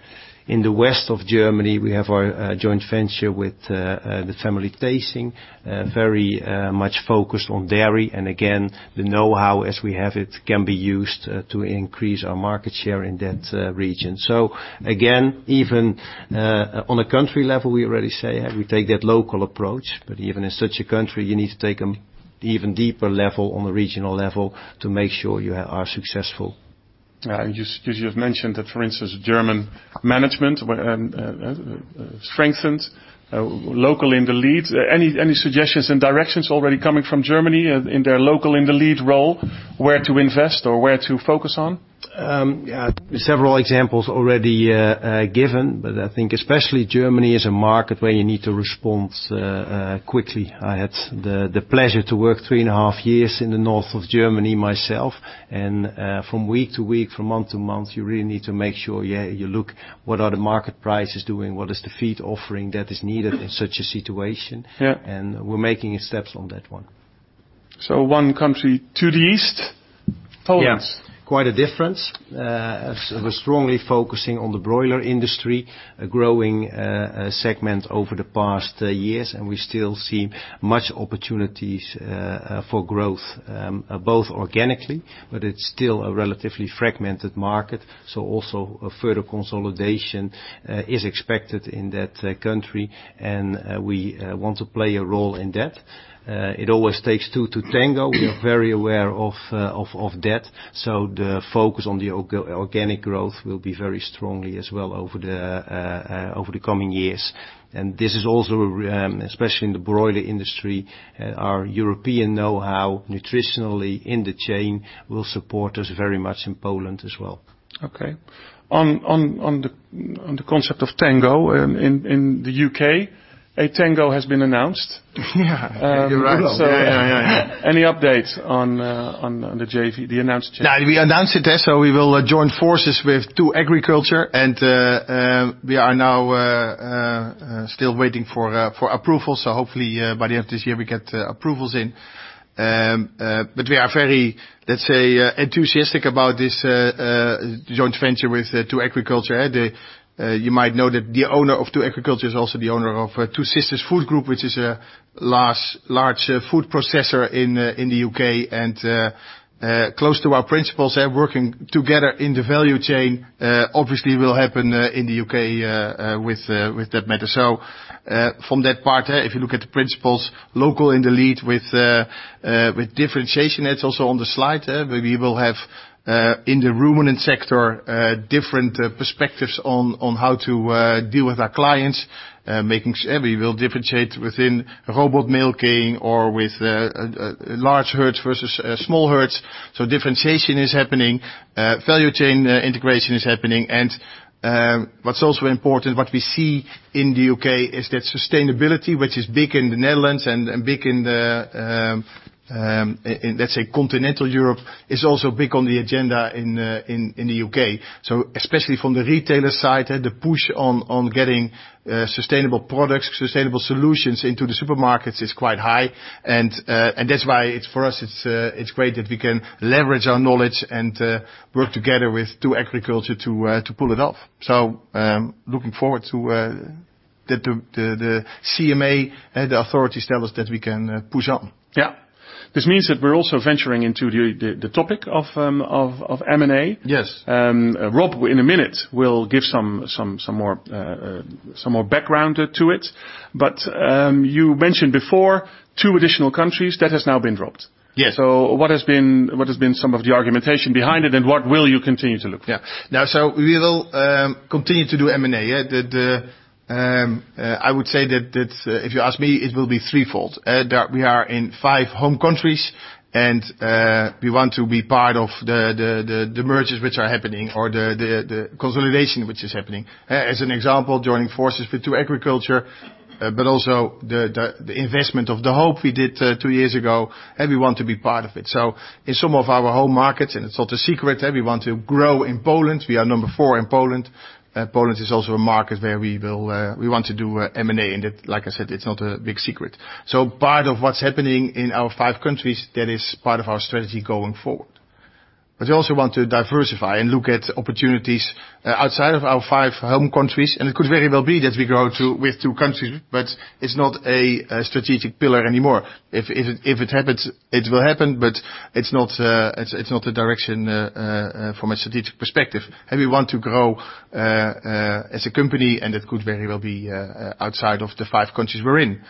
In the west of Germany, we have our joint venture with the family Thesing, very much focused on dairy. Again, the know-how as we have it can be used to increase our market share in that region. Again, even on a country level, we already say we take that local approach. Even in such a country, you need to take an even deeper level on the regional level to make sure you are successful. 'Cause you've mentioned that, for instance, German management strengthened locally in the lead. Any suggestions and directions already coming from Germany in their local in the lead role, where to invest or where to focus on? Yeah. Several examples already given, but I think especially Germany is a market where you need to respond quickly. I had the pleasure to work three and a half years in the north of Germany myself. From week to week, from month to month, you really need to make sure, yeah, you look what are the market prices doing, what is the feed offering that is needed in such a situation. Yeah. We're making steps on that one. One country to the east, Poland. Yeah. Quite a difference. We're strongly focusing on the broiler industry, a growing segment over the past years. We still see much opportunities for growth, both organically, but it's still a relatively fragmented market. Also a further consolidation is expected in that country. We want to play a role in that. It always takes two to tango. We are very aware of that. The focus on the organic growth will be very strongly as well over the coming years. This is also, especially in the broiler industry, our European know-how nutritionally in the chain will support us very much in Poland as well. Okay. On the concept of tango, in the U.K., a tango has been announced. Yeah. You're right. So- Yeah, yeah. Any update on the JV, the announced JV? Yeah. We announced it. We will join forces with 2Agriculture, and we are now still waiting for approval. Hopefully by the end of this year, we get approvals in. We are very, let's say, enthusiastic about this joint venture with 2Agriculture. You might know that the owner of 2Agriculture is also the owner of 2 Sisters Food Group, which is a large food processor in the U.K. and close to our principals. They're working together in the value chain, obviously will happen in the U.K. with that matter. From that part, if you look at the principals local in the lead with differentiation, that's also on the slide. We will have in the ruminant sector different perspectives on how to deal with our clients. We will differentiate within robot milking or with large herds versus small herds. Differentiation is happening. Value chain integration is happening. What's also important, what we see in the U.K. is that sustainability, which is big in the Netherlands and big in, let's say, continental Europe, is also big on the agenda in the U.K. Especially from the retailer side, the push on getting sustainable products, sustainable solutions into the supermarkets is quite high. That's why it's, for us, it's great that we can leverage our knowledge and work together with 2Agriculture to pull it off. Looking forward to the CMA, the authorities tell us that we can push on. This means that we're also venturing into the topic of M&A. Yes. Rob, in a minute, will give some more background to it. You mentioned before two additional countries. That has now been dropped. Yes. What has been some of the argumentation behind it, and what will you continue to look for? Yeah. Now, we will continue to do M&A. Yeah. I would say that if you ask me, it will be threefold. We are in five home countries, and we want to be part of the mergers which are happening or the consolidation which is happening. As an example, joining forces with 2Agriculture, but also the investment of De Hoop we did two years ago, and we want to be part of it. In some of our home markets, and it's not a secret, we want to grow in Poland. We are number four in Poland. Poland is also a market where we want to do M&A, and like I said, it's not a big secret. Part of what's happening in our five countries, that is part of our strategy going forward. We also want to diversify and look at opportunities outside of our five home countries, and it could very well be that we grow to with two countries, but it's not a strategic pillar anymore. If it happens, it will happen, but it's not a direction from a strategic perspective. We want to grow as a company, and it could very well be outside of the five countries we're in.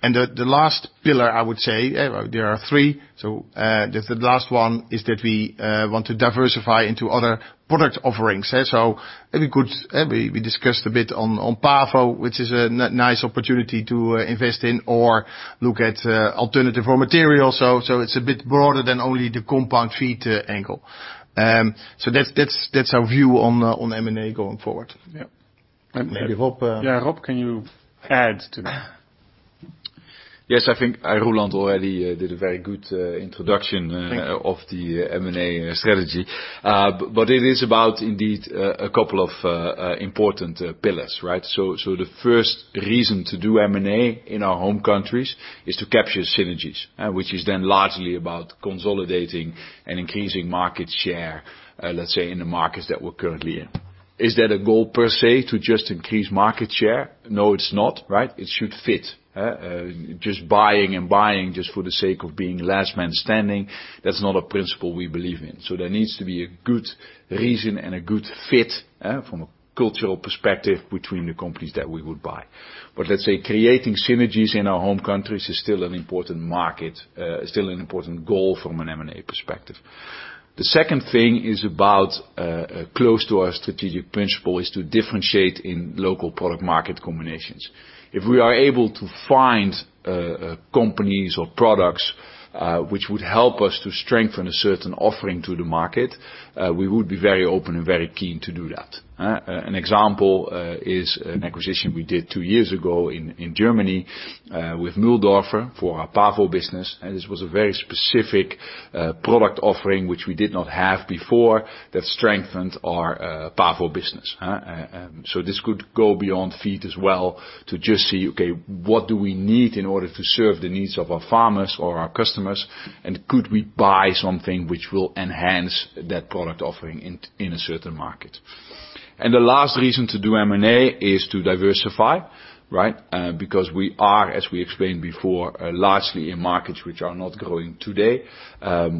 The last pillar, I would say, there are three. The last one is that we want to diversify into other product offerings. We discussed a bit on Pavo, which is a nice opportunity to invest in or look at alternative raw materials. It's a bit broader than only the compound feed angle. That's our view on M&A going forward. Yeah. Maybe Rob. Yeah, Rob, can you add to that? Yes, I think Roeland already did a very good introduction. Thank you. Of the M&A strategy. It is about indeed a couple of important pillars, right? The first reason to do M&A in our home countries is to capture synergies, which is then largely about consolidating and increasing market share, let's say, in the markets that we're currently in. Is that a goal per se to just increase market share? No, it's not, right? It should fit, huh. Just buying and buying just for the sake of being last man standing, that's not a principle we believe in. There needs to be a good reason and a good fit, eh, from a cultural perspective between the companies that we would buy. Let's say creating synergies in our home countries is still an important goal from an M&A perspective. The second thing is about close to our strategic principle is to differentiate in local product market combinations. If we are able to find companies or products which would help us to strengthen a certain offering to the market, we would be very open and very keen to do that, huh? An example is an acquisition we did two years ago in Germany with Mühldorfer for our Pavo business. This was a very specific product offering, which we did not have before, that strengthened our Pavo business, huh? This could go beyond feed as well to just see, okay, what do we need in order to serve the needs of our farmers or our customers? Could we buy something which will enhance that product offering in a certain market? The last reason to do M&A is to diversify, right? Because we are, as we explained before, largely in markets which are not growing today,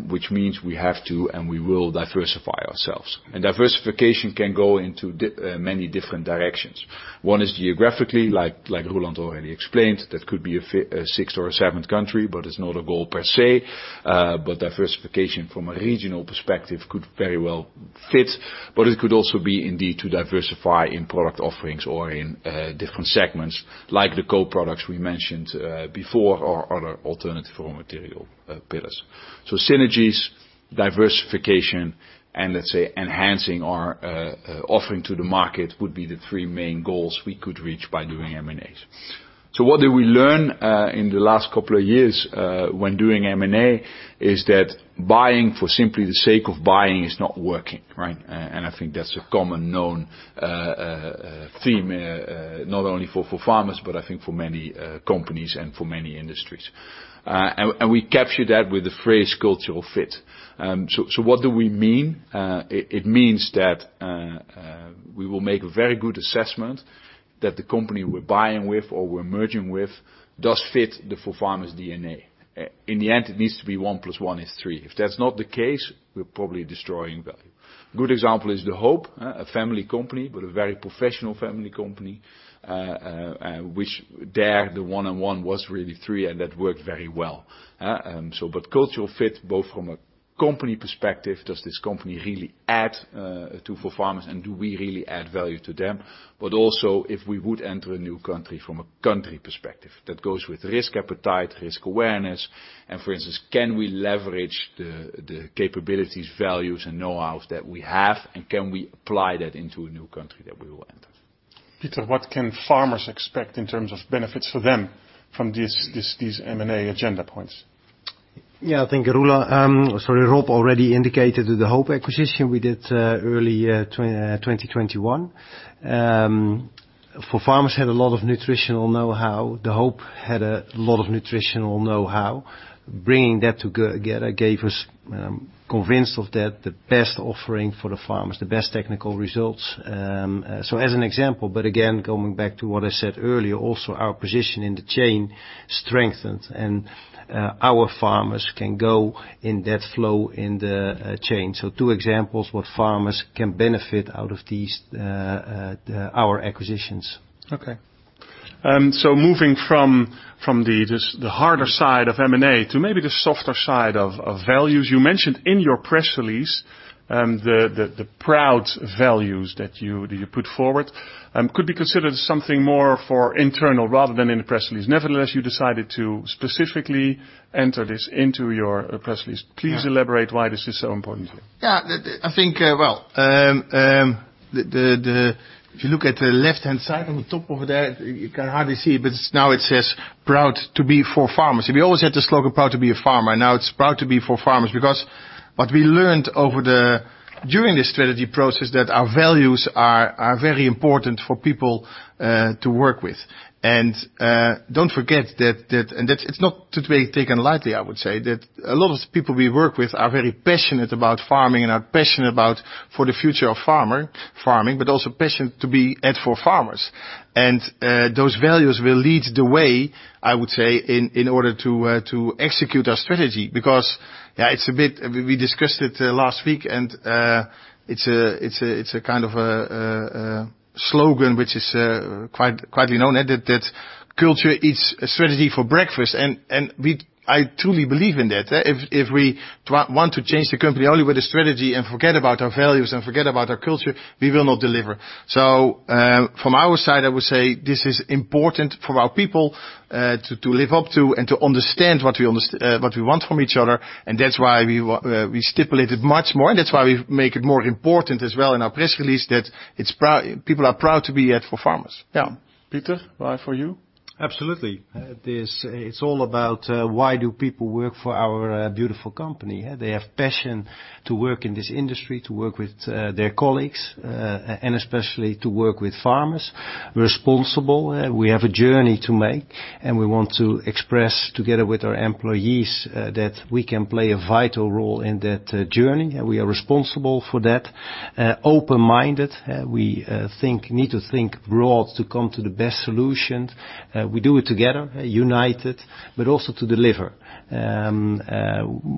which means we have to, and we will diversify ourselves. Diversification can go into many different directions. One is geographically, like Roeland already explained. That could be a sixth or a seventh country, but it's not a goal per se. Diversification from a regional perspective could very well fit, but it could also be indeed to diversify in product offerings or in different segments like the co-products we mentioned before or other alternative raw material pillars. Synergies, diversification, and let's say enhancing our offering to the market would be the three main goals we could reach by doing M&As. What did we learn in the last couple of years when doing M&A is that buying for simply the sake of buying is not working, right? I think that's a common known theme not only for ForFarmers, but I think for many companies and for many industries. We capture that with the phrase cultural fit. What do we mean? It means that we will make a very good assessment that the company we're buying with or we're merging with does fit the ForFarmers DNA. In the end, it needs to be one plus one is three. If that's not the case, we're probably destroying value. Good example is De Hoop, a family company, but a very professional family company, which there, the one and one was really three and that worked very well. Cultural fit both from a company perspective, does this company really add to ForFarmers and do we really add value to them? Also if we would enter a new country from a country perspective, that goes with risk appetite, risk awareness, and for instance, can we leverage the capabilities, values, and know-hows that we have, and can we apply that into a new country that we will enter? Pieter, what can farmers expect in terms of benefits for them from these M&A agenda points? Yeah, I think Rob already indicated the De Hoop acquisition we did early year 2021. ForFarmers had a lot of nutritional know-how. De Hoop had a lot of nutritional know-how. Bringing that together gave us, convinced of that, the best offering for the farmers, the best technical results. As an example, but again, going back to what I said earlier, also our position in the chain strengthens and our farmers can go in that flow in the chain. Two examples what farmers can benefit out of these our acquisitions. Okay. Moving from the harder side of M&A to maybe the softer side of values. You mentioned in your press release the PROUD values that you put forward could be considered something more for internal rather than in the press release. Nevertheless, you decided to specifically enter this into your press release. Yeah. Please elaborate why this is so important to you. Yeah. I think, well, if you look at the left-hand side on the top over there, you can hardly see it, but now it says, "Proud to be ForFarmers." We always had the slogan, "Proud to be a farmer." Now it's Proud to be ForFarmers because what we learned during this strategy process that our values are very important for people to work with. Don't forget that it's not to be taken lightly, I would say. That a lot of people we work with are very passionate about farming and are passionate about For the Future of Farming, but also passionate to be at ForFarmers. Those values will lead the way, I would say, in order to execute our strategy. We discussed it last week, and it's a kind of a slogan which is quite known that culture eats strategy for breakfast. I truly believe in that. If we want to change the company only with a strategy and forget about our values and forget about our culture, we will not deliver. From our side, I would say this is important for our people to live up to and to understand what we want from each other, and that's why we stipulate it much more, and that's why we make it more important as well in our press release that people are proud to be at ForFarmers. Yeah. Pieter, for you? Absolutely. It's all about why do people work for our beautiful company, yeah? They have passion to work in this industry, to work with their colleagues, and especially to work with farmers. Responsible, we have a journey to make, and we want to express together with our employees that we can play a vital role in that journey, and we are responsible for that. Open-minded. We need to think broad to come to the best solution. We do it together, united, but also to deliver.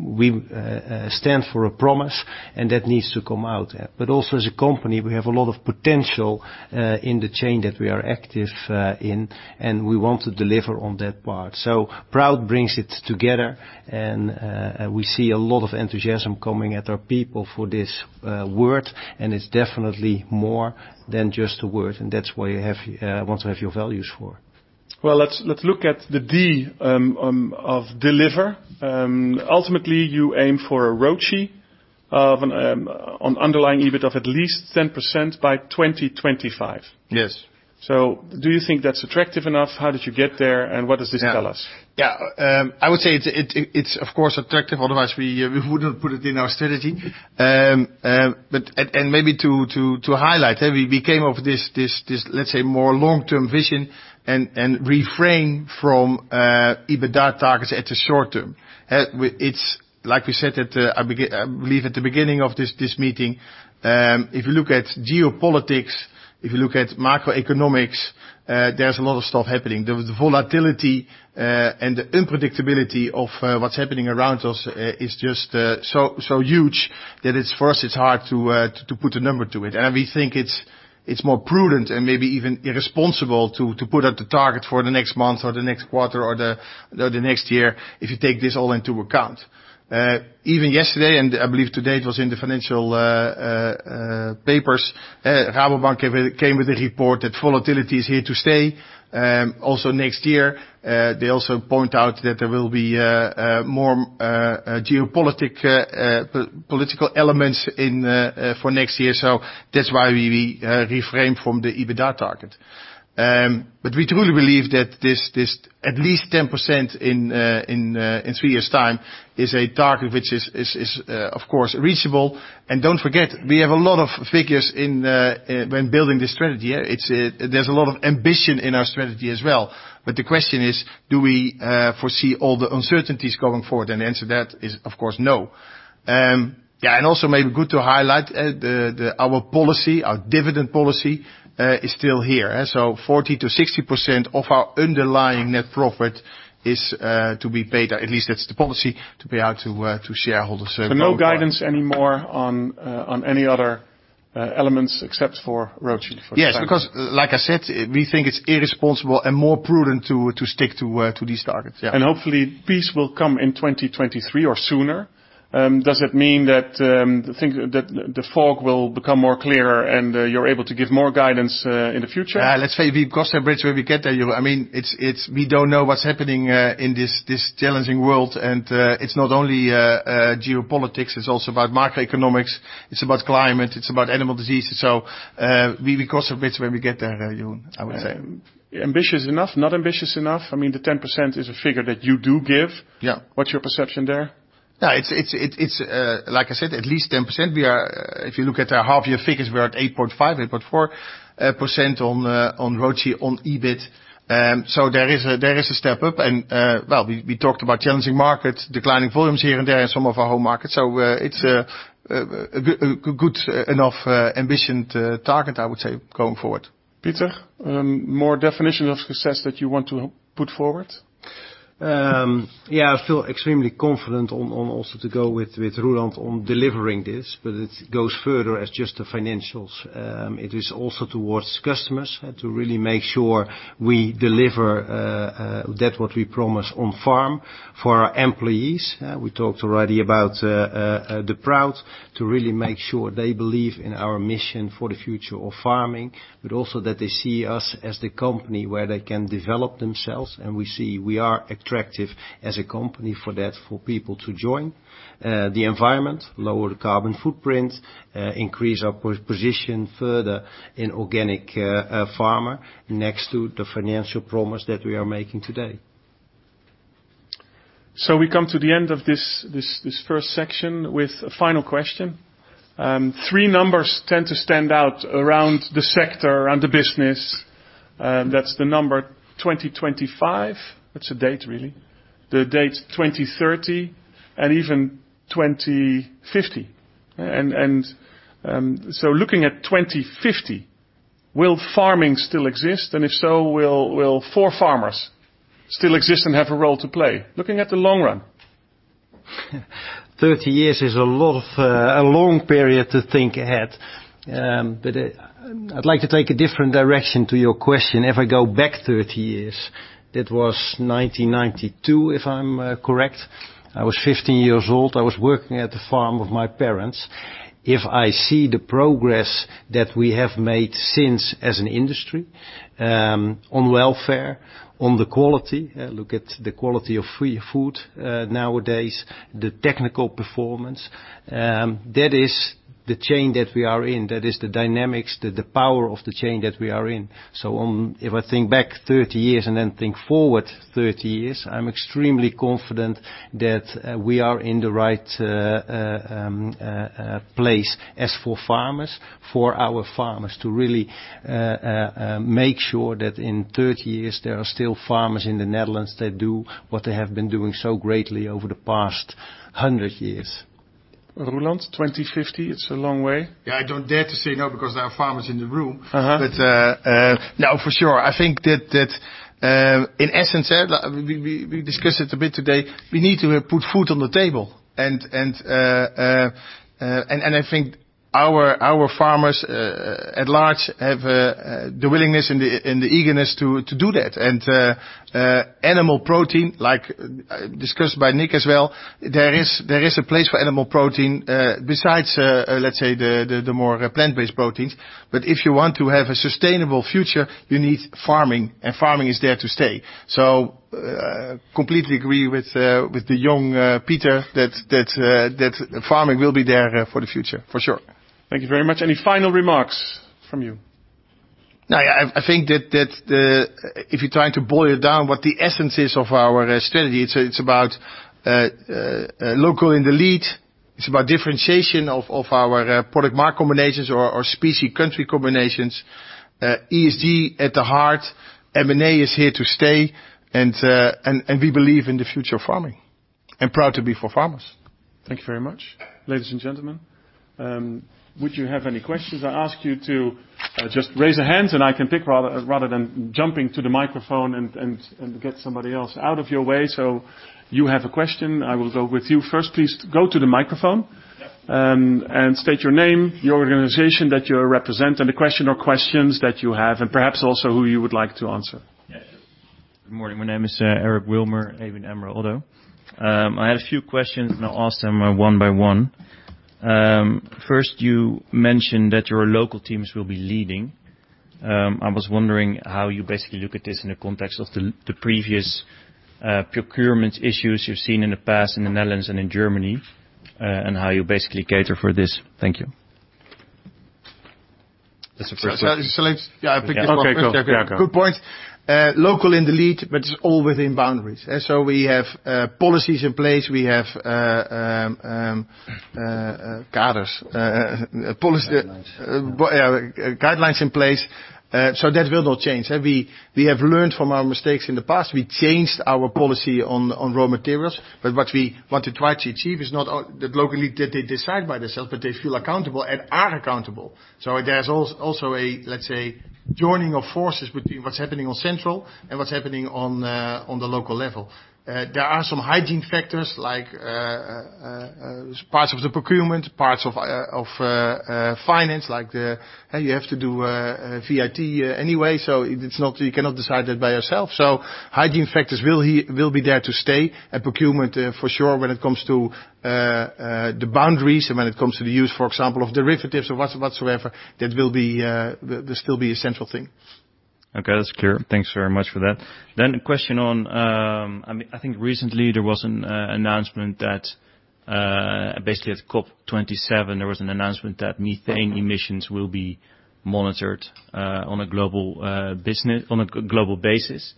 We stand for a promise, and that needs to come out. Also as a company, we have a lot of potential in the chain that we are active in, and we want to deliver on that part. PROUD brings it together, and we see a lot of enthusiasm coming at our people for this word. It's definitely more than just a word, and that's why you want to have your values for. Well, let's look at the D of deliver. Ultimately, you aim for an underlying EBIT of at least 10% by 2025. Yes. Do you think that's attractive enough? How did you get there? What does this tell us? Yeah. Yeah. I would say it's of course attractive, otherwise we wouldn't put it in our strategy. Maybe to highlight, yeah? We came of this, let's say, more long-term vision and refrain from EBITDA targets at the short term. It's like we said at I believe at the beginning of this meeting, if you look at geopolitics, if you look at macroeconomics, there's a lot of stuff happening. The volatility and the unpredictability of what's happening around us is just so huge that it's, for us, hard to put a number to it. We think it's more prudent and maybe even irresponsible to put out the target for the next month or the next quarter or the next year if you take this all into account. Even yesterday, and I believe today it was in the financial papers, Rabobank came with a report that volatility is here to stay, also next year. They also point out that there will be more geopolitical elements for next year. That's why we refrain from the EBITDA target. We truly believe that this at least 10% in three years' time is a target which is, of course, reachable. Don't forget, we have a lot of figures in when building this strategy, yeah? There's a lot of ambition in our strategy as well. The question is, do we foresee all the uncertainties going forward? The answer to that is of course no. Yeah, and also maybe good to highlight our policy, our dividend policy is still here, yeah? 40%-60% of our underlying net profit is to be paid, at least that's the policy, to pay out to shareholders going forward. No guidance anymore on any other elements except for ROACE for the time being? Yes, because like I said, we think it's irresponsible and more prudent to stick to these targets, yeah. Hopefully peace will come in 2023 or sooner. Does it mean that the fog will become more clearer and you're able to give more guidance in the future? Let's say we cross that bridge when we get there, Jeroen. I mean, we don't know what's happening in this challenging world. It's not only geopolitics, it's also about macroeconomics, it's about climate, it's about animal diseases. We cross that bridge when we get there, Jeroen, I would say. Ambitious enough? Not ambitious enough? I mean, the 10% is a figure that you do give. Yeah. What's your perception there? Yeah. It's, like I said, at least 10%. If you look at our half-year figures, we're at 8.5%-8.4% on ROACE on EBIT. There is a step up. Well, we talked about challenging markets, declining volumes here and there in some of our home markets. It's a good enough ambition target, I would say, going forward. Pieter, more definition of success that you want to put forward? Yeah, I feel extremely confident on also to go with Roeland on delivering this, but it goes further as just the financials. It is also towards customers to really make sure we deliver that what we promise on farm. For our employees, we talked already about the PROUD to really make sure they believe in our mission For the Future of Farming, but also that they see us as the company where they can develop themselves and we see we are attractive as a company for that, for people to join. The environment, lower the carbon footprint, increase our position further in organic farming next to the financial promise that we are making today. We come to the end of this first section with a final question. Three numbers tend to stand out around the sector and the business. That's the number 2025. That's a date really. The date 2030 and even 2050. Looking at 2050, will farming still exist? If so, will ForFarmers still exist and have a role to play, looking at the long run? 30 years is a long period to think ahead. I'd like to take a different direction to your question. If I go back 30 years, that was 1992, if I'm correct. I was 15 years old. I was working at the farm with my parents. If I see the progress that we have made as an industry on welfare, on the quality, look at the quality of feed nowadays, the technical performance, that is the chain that we are in. That is the dynamics, the power of the chain that we are in. If I think back 30 years and then think forward 30 years, I'm extremely confident that we are in the right place as ForFarmers, for our farmers to really make sure that in 30 years there are still farmers in the Netherlands that do what they have been doing so greatly over the past 100 years. Roeland, 2050, it's a long way. Yeah, I don't dare to say no because there are farmers in the room. Uh-huh. No, for sure. I think that in essence we discussed it a bit today, we need to put food on the table. I think our farmers at large have the willingness and the eagerness to do that. Animal protein, like discussed by Nick as well, there is a place for animal protein besides let's say the more plant-based proteins. If you want to have a sustainable future, you need farming, and farming is there to stay. Completely agree with the young Pieter that farming will be there for the future, for sure. Thank you very much. Any final remarks from you? No, yeah, I think that if you're trying to boil it down what the essence is of our strategy, it's about local in the lead. It's about differentiation of our product market combinations or species country combinations. ESG at the heart, M&A is here to stay, and we believe in the future of farming and Proud to be ForFarmers. Thank you very much. Ladies and gentlemen, would you have any questions? I ask you to just raise your hands, and I can pick rather than jumping to the microphone and get somebody else out of your way. You have a question, I will go with you first. Please go to the microphone. Yeah. State your name, your organization that you represent, and the question or questions that you have, and perhaps also who you would like to answer. Yes. Good morning. My name is Eric Wilmer, ABN AMRO. I have a few questions, and I'll ask them one by one. First, you mentioned that your local teams will be leading. I was wondering how you basically look at this in the context of the previous procurement issues you've seen in the past in the Netherlands and in Germany and how you basically cater for this. Thank you. That's the first question. Yeah, I pick this one. Okay, cool. Yeah, go. Good point. Local in the lead, but it's all within boundaries. We have policies in place. We have. Guidelines. Yeah, guidelines in place. That will not change. We have learned from our mistakes in the past. We changed our policy on raw materials. What we want to try to achieve is not that locally they decide by themselves, but they feel accountable and are accountable. There's also a, let's say, joining of forces between what's happening on central and what's happening on the local level. There are some hygiene factors like parts of the procurement, parts of finance. You have to do VAT anyway. You cannot decide that by yourself. Hygiene factors will be there to stay. Procurement, for sure, when it comes to the boundaries and when it comes to the use, for example, of derivatives or whatsoever, that still be a central thing. Okay, that's clear. Thanks very much for that. A question on, I think recently there was an announcement that basically at COP27, there was an announcement that methane emissions will be monitored on a global basis.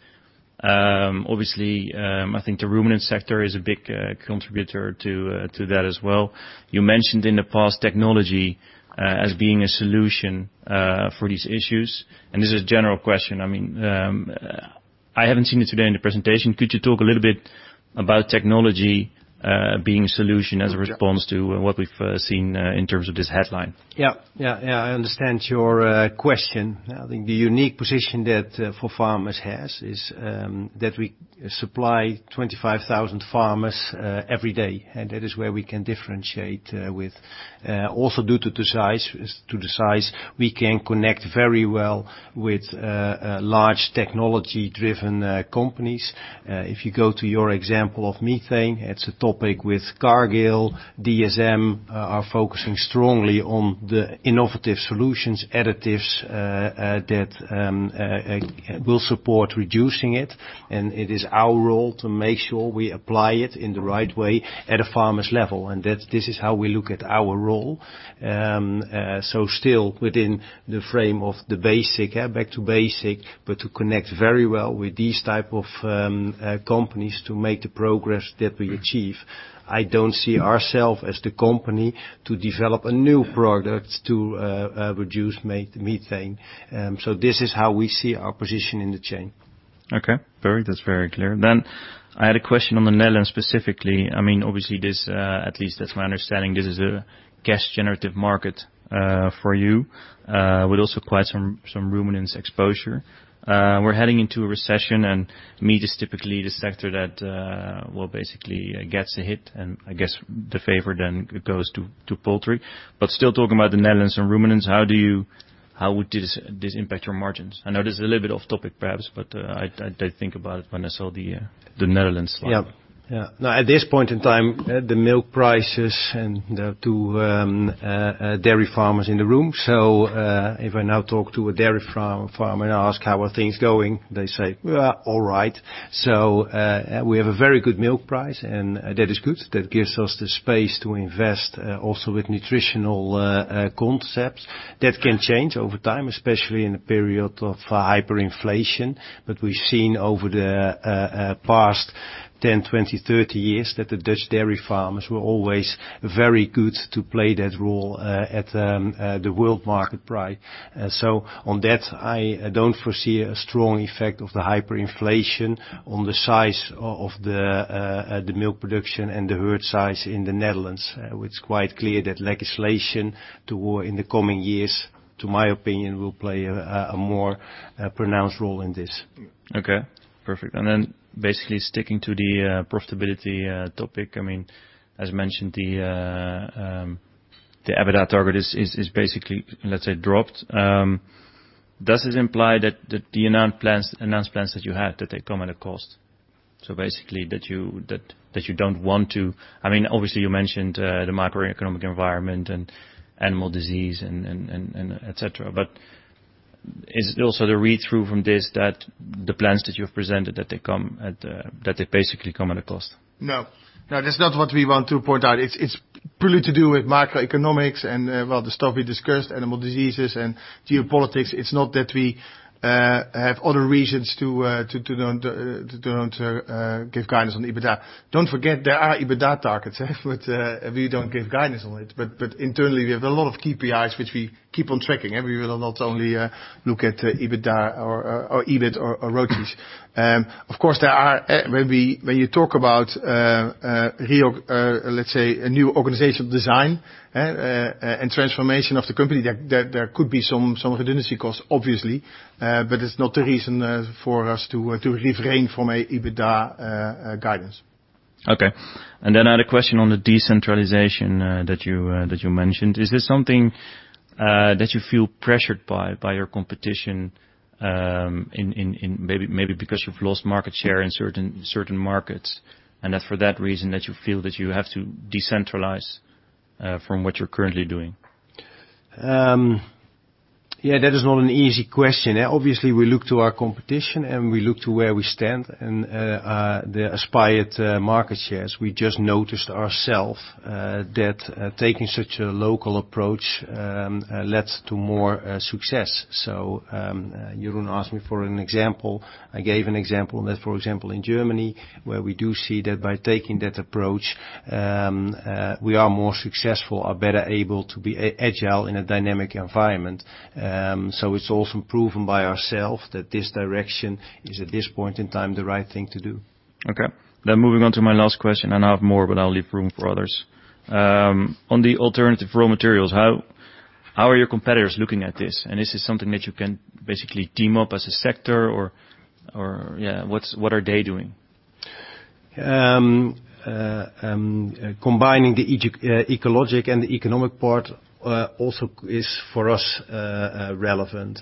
Obviously, I think the ruminant sector is a big contributor to that as well. You mentioned in the past technology as being a solution for these issues. This is a general question. I mean, I haven't seen it today in the presentation. Could you talk a little bit about technology being a solution as a response to what we've seen in terms of this headline? Yeah. Yeah, I understand your question. I think the unique position that ForFarmers has is that we supply 25,000 farmers every day, and that is where we can differentiate with. Also due to the size, we can connect very well with large technology-driven companies. If you go to your example of methane, it's a topic with Cargill. DSM are focusing strongly on the innovative solutions, additives that will support reducing it. It is our role to make sure we apply it in the right way at a farmer's level. This is how we look at our role. Still within the frame of back to basic, but to connect very well with these type of companies to make the progress that we achieve. I don't see ourself as the company to develop a new product to reduce methane. This is how we see our position in the chain. Okay, that's very clear. I had a question on the Netherlands specifically. I mean, obviously this, at least that's my understanding, this is a cash generative market for you with also quite some ruminants exposure. We're heading into a recession, and meat is typically the sector that, well, basically gets a hit, and I guess the favor then goes to poultry. Still talking about the Netherlands and ruminants, how would this impact your margins? I know this is a little bit off-topic perhaps, but I did think about it when I saw the Netherlands slide. Yeah. Yeah. No, at this point in time, the milk prices to dairy farmers in the room. If I now talk to a dairy farm and ask, "How are things going?" They say, "Well, all right." We have a very good milk price, and that is good. That gives us the space to invest also with nutritional concepts. That can change over time, especially in a period of hyperinflation. We've seen over the past 10, 20, 30 years that the Dutch dairy farmers were always very good to play that role at the world market price. On that, I don't foresee a strong effect of the hyperinflation on the size of the milk production and the herd size in the Netherlands. It's quite clear that legislation in the coming years, to my opinion, will play a more pronounced role in this. Okay, perfect. Basically sticking to the profitability topic. I mean, as mentioned, the EBITDA target is basically, let's say, dropped. Does this imply that the announced plans that you had, that they come at a cost? Basically, I mean, obviously you mentioned the macroeconomic environment and animal disease and et cetera. Is it also the read-through from this, that the plans that you've presented, that they basically come at a cost? No, that's not what we want to point out. It's purely to do with macroeconomics and, well, the stuff we discussed, animal diseases and geopolitics. It's not that we have other reasons to not give guidance on EBITDA. Don't forget, there are EBITDA targets, but we don't give guidance on it. Internally, we have a lot of KPIs which we keep on tracking, and we will not only look at EBITDA or EBIT or ROACE. Of course, there are. When you talk about reorg, let's say a new organizational design and transformation of the company, there could be some redundancy costs, obviously. It's not the reason for us to refrain from a EBITDA guidance. Okay. I had a question on the decentralization that you mentioned. Is this something that you feel pressured by your competition, maybe because you've lost market share in certain markets, and for that reason you feel that you have to decentralize from what you're currently doing? Yeah, that is not an easy question. Obviously, we look to our competition and we look to where we stand and the aspired market shares. We just noticed ourself that taking such a local approach leads to more success. Jeroen asked me for an example. I gave an example that, for example, in Germany, where we do see that by taking that approach, we are more successful or better able to be agile in a dynamic environment. It's also proven by ourself that this direction is at this point in time the right thing to do. Okay. Moving on to my last question, and I have more, but I'll leave room for others. On the alternative raw materials, how are your competitors looking at this? Is this something that you can basically team up as a sector? Yeah. What are they doing? Combining the ecologic and the economic part also is, for us, relevant.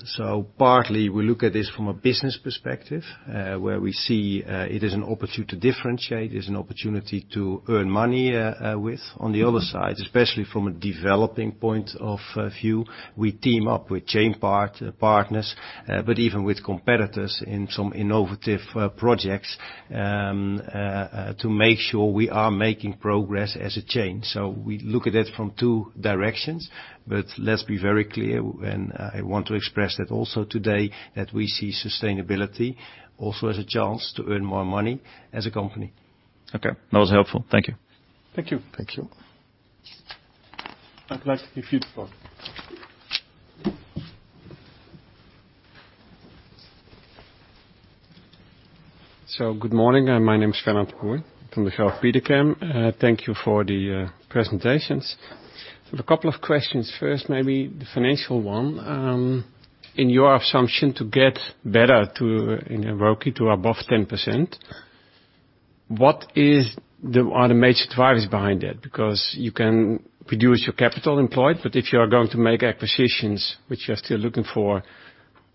Partly, we look at this from a business perspective where we see it is an opportunity to differentiate, it is an opportunity to earn money with. On the other side, especially from a developing point of view, we team up with chain partners, but even with competitors in some innovative projects to make sure we are making progress as a chain. We look at it from two directions. Let's be very clear, and I want to express that also today, that we see sustainability also as a chance to earn more money as a company. Okay. That was helpful. Thank you. Thank you. Thank you. I'd like to give you the floor. Good morning. My name is Fernand De Boer from Degroof Petercam. Thank you for the presentations. A couple of questions. First, maybe the financial one. In your assumption to get better in ROACE to above 10%, what are the major drivers behind that? Because you can reduce your capital employed, but if you are going to make acquisitions, which you are still looking for,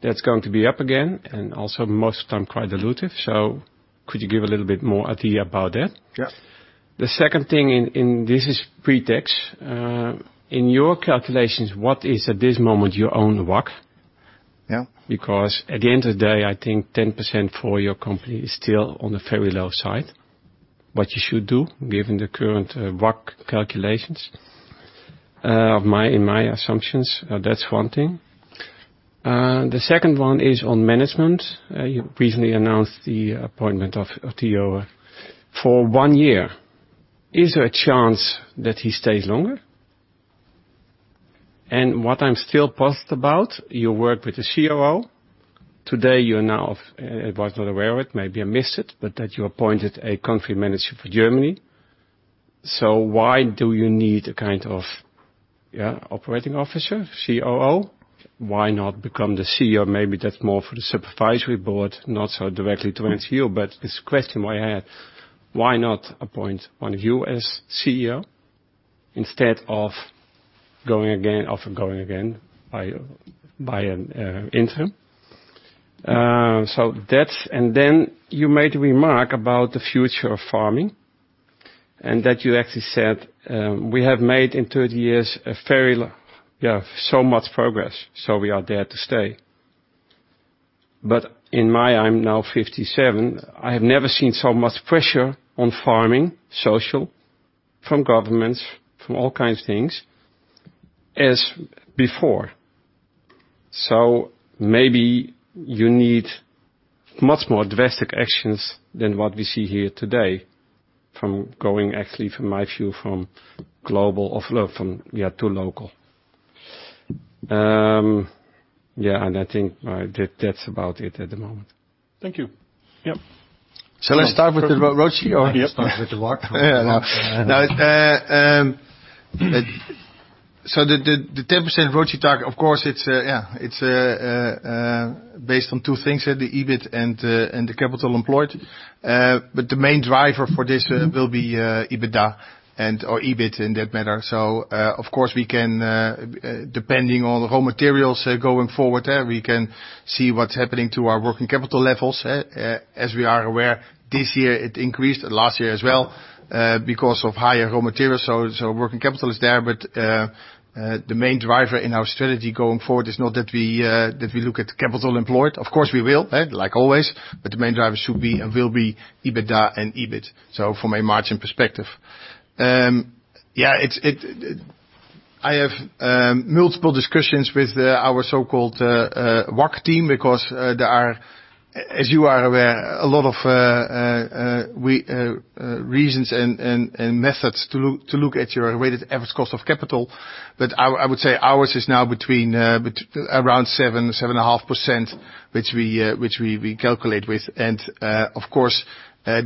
that's going to be up again and also most of the time quite dilutive. Could you give a little bit more idea about that? Yeah. The second thing, and this is pre-tax. In your calculations, what is at this moment your own WACC? Yeah. Because at the end of the day, I think 10% for your company is still on the very low side, what you should do given the current WACC calculations in my assumptions. That's one thing. The second one is on management. You recently announced the appointment of Theo for one year. Is there a chance that he stays longer? What I'm still puzzled about, you work with the COO. Today, I was not aware of it, maybe I missed it, but that you appointed a country manager for Germany. Why do you need a kind of, yeah, Operating Officer, COO? Why not become the CEO? Maybe that's more for the Supervisory Board, not so directly towards you. It's a question why not appoint one of you as CEO instead of going again by an interim? You made a remark about the Future of Farming, and that you actually said, "We have made in 30 years, yeah, so much progress, so we are there to stay." I'm now 57, I have never seen so much pressure on farming, social, from governments, from all kinds of things, as before. Maybe you need much more drastic actions than what we see here today from going actually, from my view, from global or from, yeah, to local. Yeah, I think that's about it at the moment. Thank you. Yep. Shall I start with the ROACE? Start with the WACC. Now, the 10% ROACE target, of course, yeah, it's based on two things, the EBIT and the capital employed. The main driver for this will be EBITDA or EBIT in that matter. Of course, depending on raw materials going forward, we can see what's happening to our working capital levels. As we are aware, this year it increased and last year as well because of higher raw materials. Working capital is there. The main driver in our strategy going forward is not that we look at capital employed. Of course, we will, like always, but the main driver should be and will be EBITDA and EBIT, so from a margin perspective. Yeah, I have multiple discussions with our so-called WACC team because there are, as you are aware, a lot of reasons and methods to look at your weighted average cost of capital. I would say ours is now between around 7%-7.5%, which we calculate with. Of course,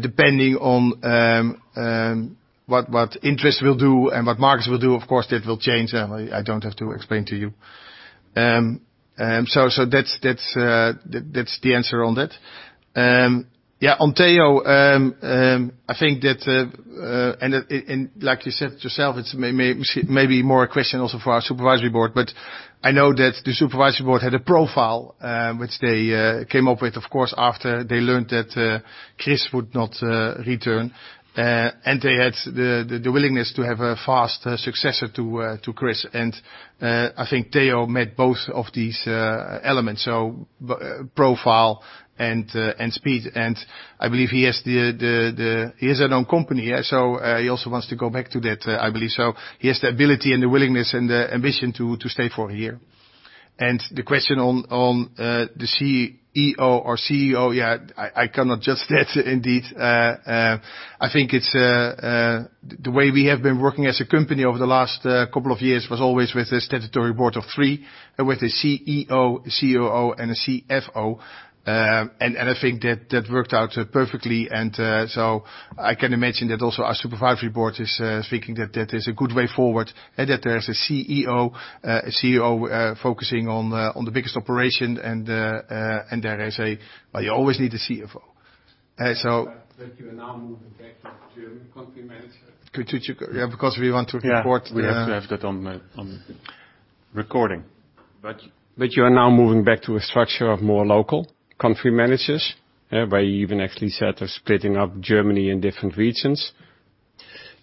depending on what interest will do and what markets will do, of course, that will change. I don't have to explain to you. That's the answer on that. Yeah, on Theo, I think that, like you said yourself, it's maybe more a question also for our Supervisory Board. I know that the Supervisory Board had a profile which they came up with, of course, after they learned that Chris would not return. They had the willingness to have a fast successor to Chris. I think Theo met both of these elements, profile and speed. I believe he has his own company, yeah, so he also wants to go back to that, I believe so. He has the ability and the willingness and the ambition to stay for a year. The question on the CEO or COO, yeah, I cannot judge that indeed. I think the way we have been working as a company over the last couple of years was always with a statutory board of three, with a CEO, COO, and a CFO. I think that worked out perfectly. I can imagine that also our Supervisory Board is thinking that that is a good way forward and that there is a CEO, COO focusing on the biggest operation. Well, you always need a CFO. You are now moving back to a German Country Manager. Yeah, because we want to import. Yeah, we have to have that on the recording. You are now moving back to a structure of more local country managers, where you even actually said they're splitting up Germany in different regions.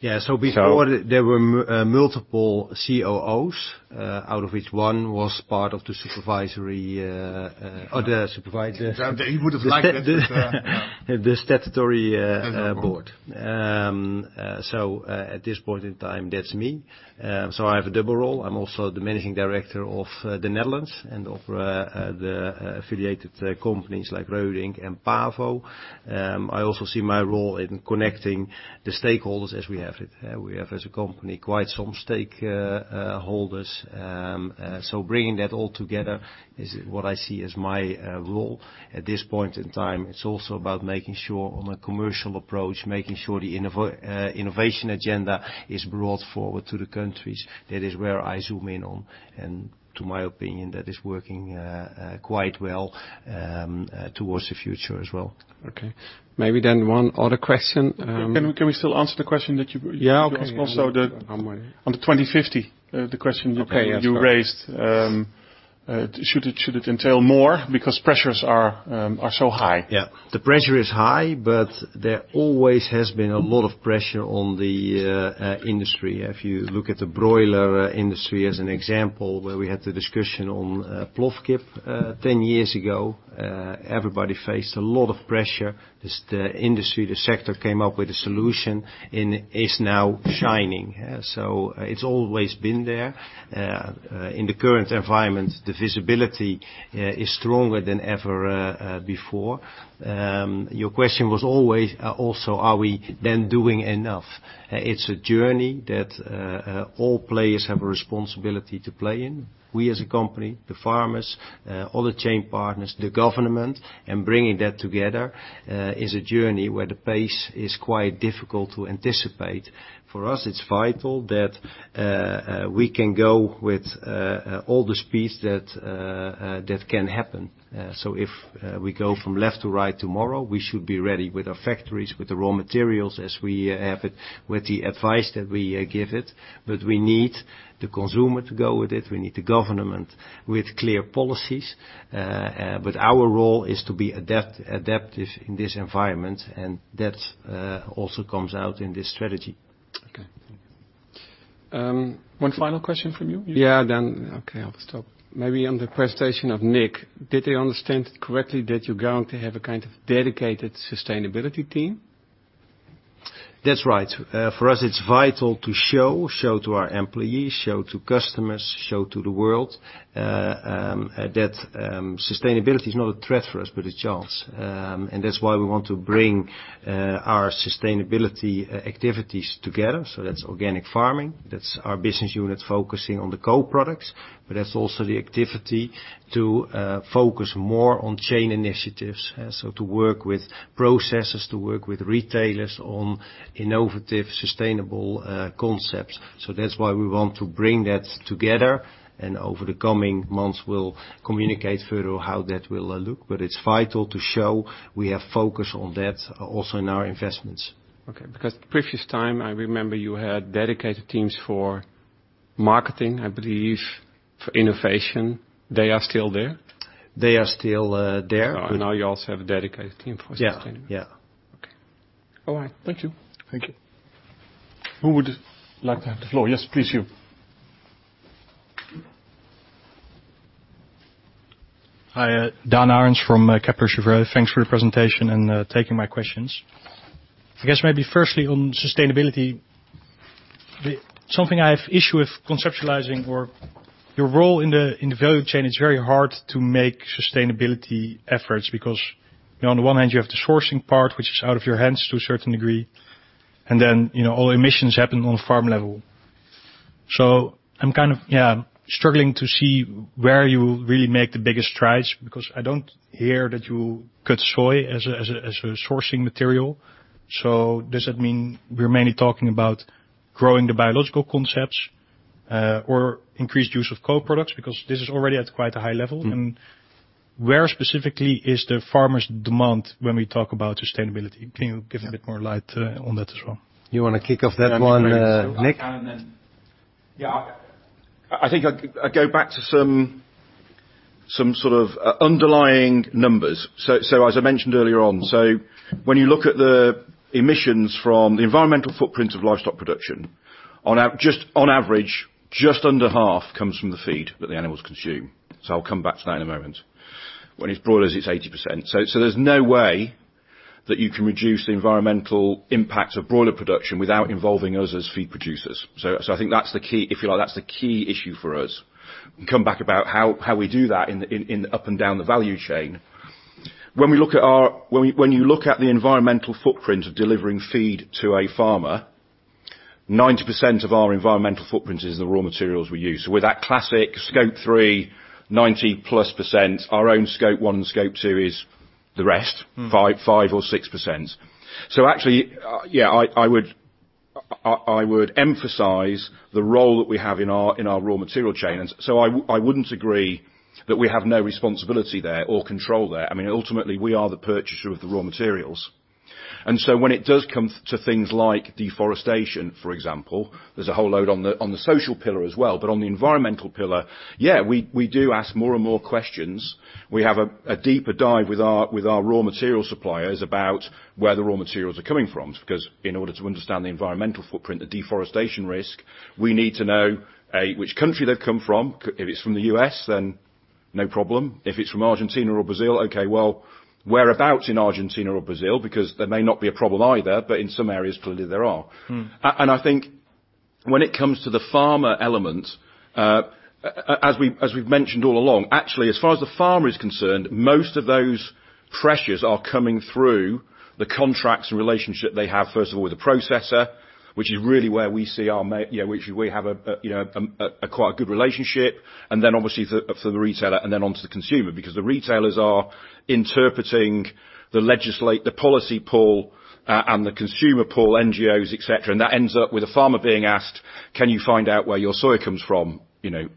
Yeah. So- There were multiple COOs out of which one was part of the supervisory, other supervisor. He would have liked that. The statutory board. At this point in time, that's me. I have a double role. I'm also the Managing Director of the Netherlands and of the affiliated companies like Reudink and Pavo. I also see my role in connecting the stakeholders as we have it. We have as a company, quite some stakeholders. Bringing that all together is what I see as my role at this point in time. It's also about making sure on a commercial approach, making sure the innovation agenda is brought forward to the countries. That is where I zoom in on, and to my opinion, that is working quite well towards the future as well. Okay. Maybe then one other question. Can we still answer the question? Yeah. Okay. I'm waiting. On the 2050, the question you raised. Should it entail more because pressures are so high? Yeah. The pressure is high, but there always has been a lot of pressure on the industry. If you look at the broiler industry as an example, where we had the discussion on Plofkip 10 years ago, everybody faced a lot of pressure as the industry, the sector came up with a solution and is now shining. It's always been there. In the current environment, the visibility is stronger than ever before. Your question was always also are we then doing enough? It's a journey that all players have a responsibility to play in. We as a company, the farmers, all the chain partners, the government, and bringing that together is a journey where the pace is quite difficult to anticipate. For us, it's vital that we can go with all the speeds that can happen. If we go from left to right tomorrow, we should be ready with our factories, with the raw materials as we have it, with the advice that we give it. We need the consumer to go with it. We need the government with clear policies. Our role is to be adaptive in this environment, and that also comes out in this strategy. Okay. Thank you. One final question from you. Yeah, okay, I'll stop. Maybe on the presentation of Nick, did I understand correctly that you're going to have a kind of dedicated sustainability team? That's right. For us, it's vital to show to our employees, show to customers, show to the world that sustainability is not a threat for us, but a chance. That's why we want to bring our sustainability activities together. That's organic farming, that's our business unit focusing on the co-products, but that's also the activity to focus more on chain initiatives. To work with processors, to work with retailers on innovative, sustainable concepts. That's why we want to bring that together, and over the coming months we'll communicate further how that will look. It's vital to show we have focus on that also in our investments. Okay. Because previous time, I remember you had dedicated teams for marketing, I believe, for innovation. They are still there? They are still there. Now you also have a dedicated team for sustainability. Yeah. Yeah. Okay. All right. Thank you. Thank you. Who would like to have the floor? Yes, please, you. Hi, Jacques-Henri Gaulard from Kepler Cheuvreux. Thanks for your presentation and taking my questions. I guess maybe firstly on sustainability, something I have issue with conceptualizing or your role in the value chain. It's very hard to make sustainability efforts because, you know, on the one hand, you have the sourcing part, which is out of your hands to a certain degree, and then, you know, all emissions happen on farm level. I'm kind of, yeah, struggling to see where you really make the biggest strides, because I don't hear that you cut soy as a sourcing material. Does that mean we're mainly talking about growing the biological concepts or increased use of co-products? Because this is already at quite a high level. Mm. Where specifically is the farmer's demand when we talk about sustainability? Can you give a bit more light on that as well? You wanna kick off that one, Nick? Yeah, I'm happy to. Yeah, I think I go back to some sort of underlying numbers. As I mentioned earlier on, so when you look at the emissions from the environmental footprint of livestock production, just on average, just under half comes from the feed that the animals consume. I'll come back to that in a moment. When it's broilers, it's 80%. There's no way that you can reduce the environmental impact of broiler production without involving us as feed producers. I think that's the key, if you like, that's the key issue for us. We come back about how we do that in up and down the value chain. When you look at the environmental footprint of delivering feed to a farmer, 90% of our environmental footprint is the raw materials we use. With that classic scope three, 90%+, our own scope one, scope two is the rest. Mm. 5% or 6%. Actually, yeah, I would emphasize the role that we have in our raw material chain. I wouldn't agree that we have no responsibility there or control there. I mean, ultimately, we are the purchaser of the raw materials. When it does come to things like deforestation, for example, there's a whole load on the social pillar as well. On the environmental pillar, yeah, we do ask more and more questions. We have a deeper dive with our raw material suppliers about where the raw materials are coming from. Because in order to understand the environmental footprint, the deforestation risk, we need to know, A, which country they've come from. If it's from the U.S., then no problem. If it's from Argentina or Brazil, okay, well, whereabouts in Argentina or Brazil? Because there may not be a problem either, but in some areas clearly there are. Mm. I think when it comes to the farmer element, as we've mentioned all along, actually, as far as the farmer is concerned, most of those pressures are coming through the contracts and relationship they have, first of all, with the processor, which we have a, you know, quite a good relationship, and then obviously for the retailer, and then onto the consumer. The retailers are interpreting the policy pull and the consumer pull, NGOs, et cetera, and that ends up with a farmer being asked, "Can you find out where your soya comes from, you know,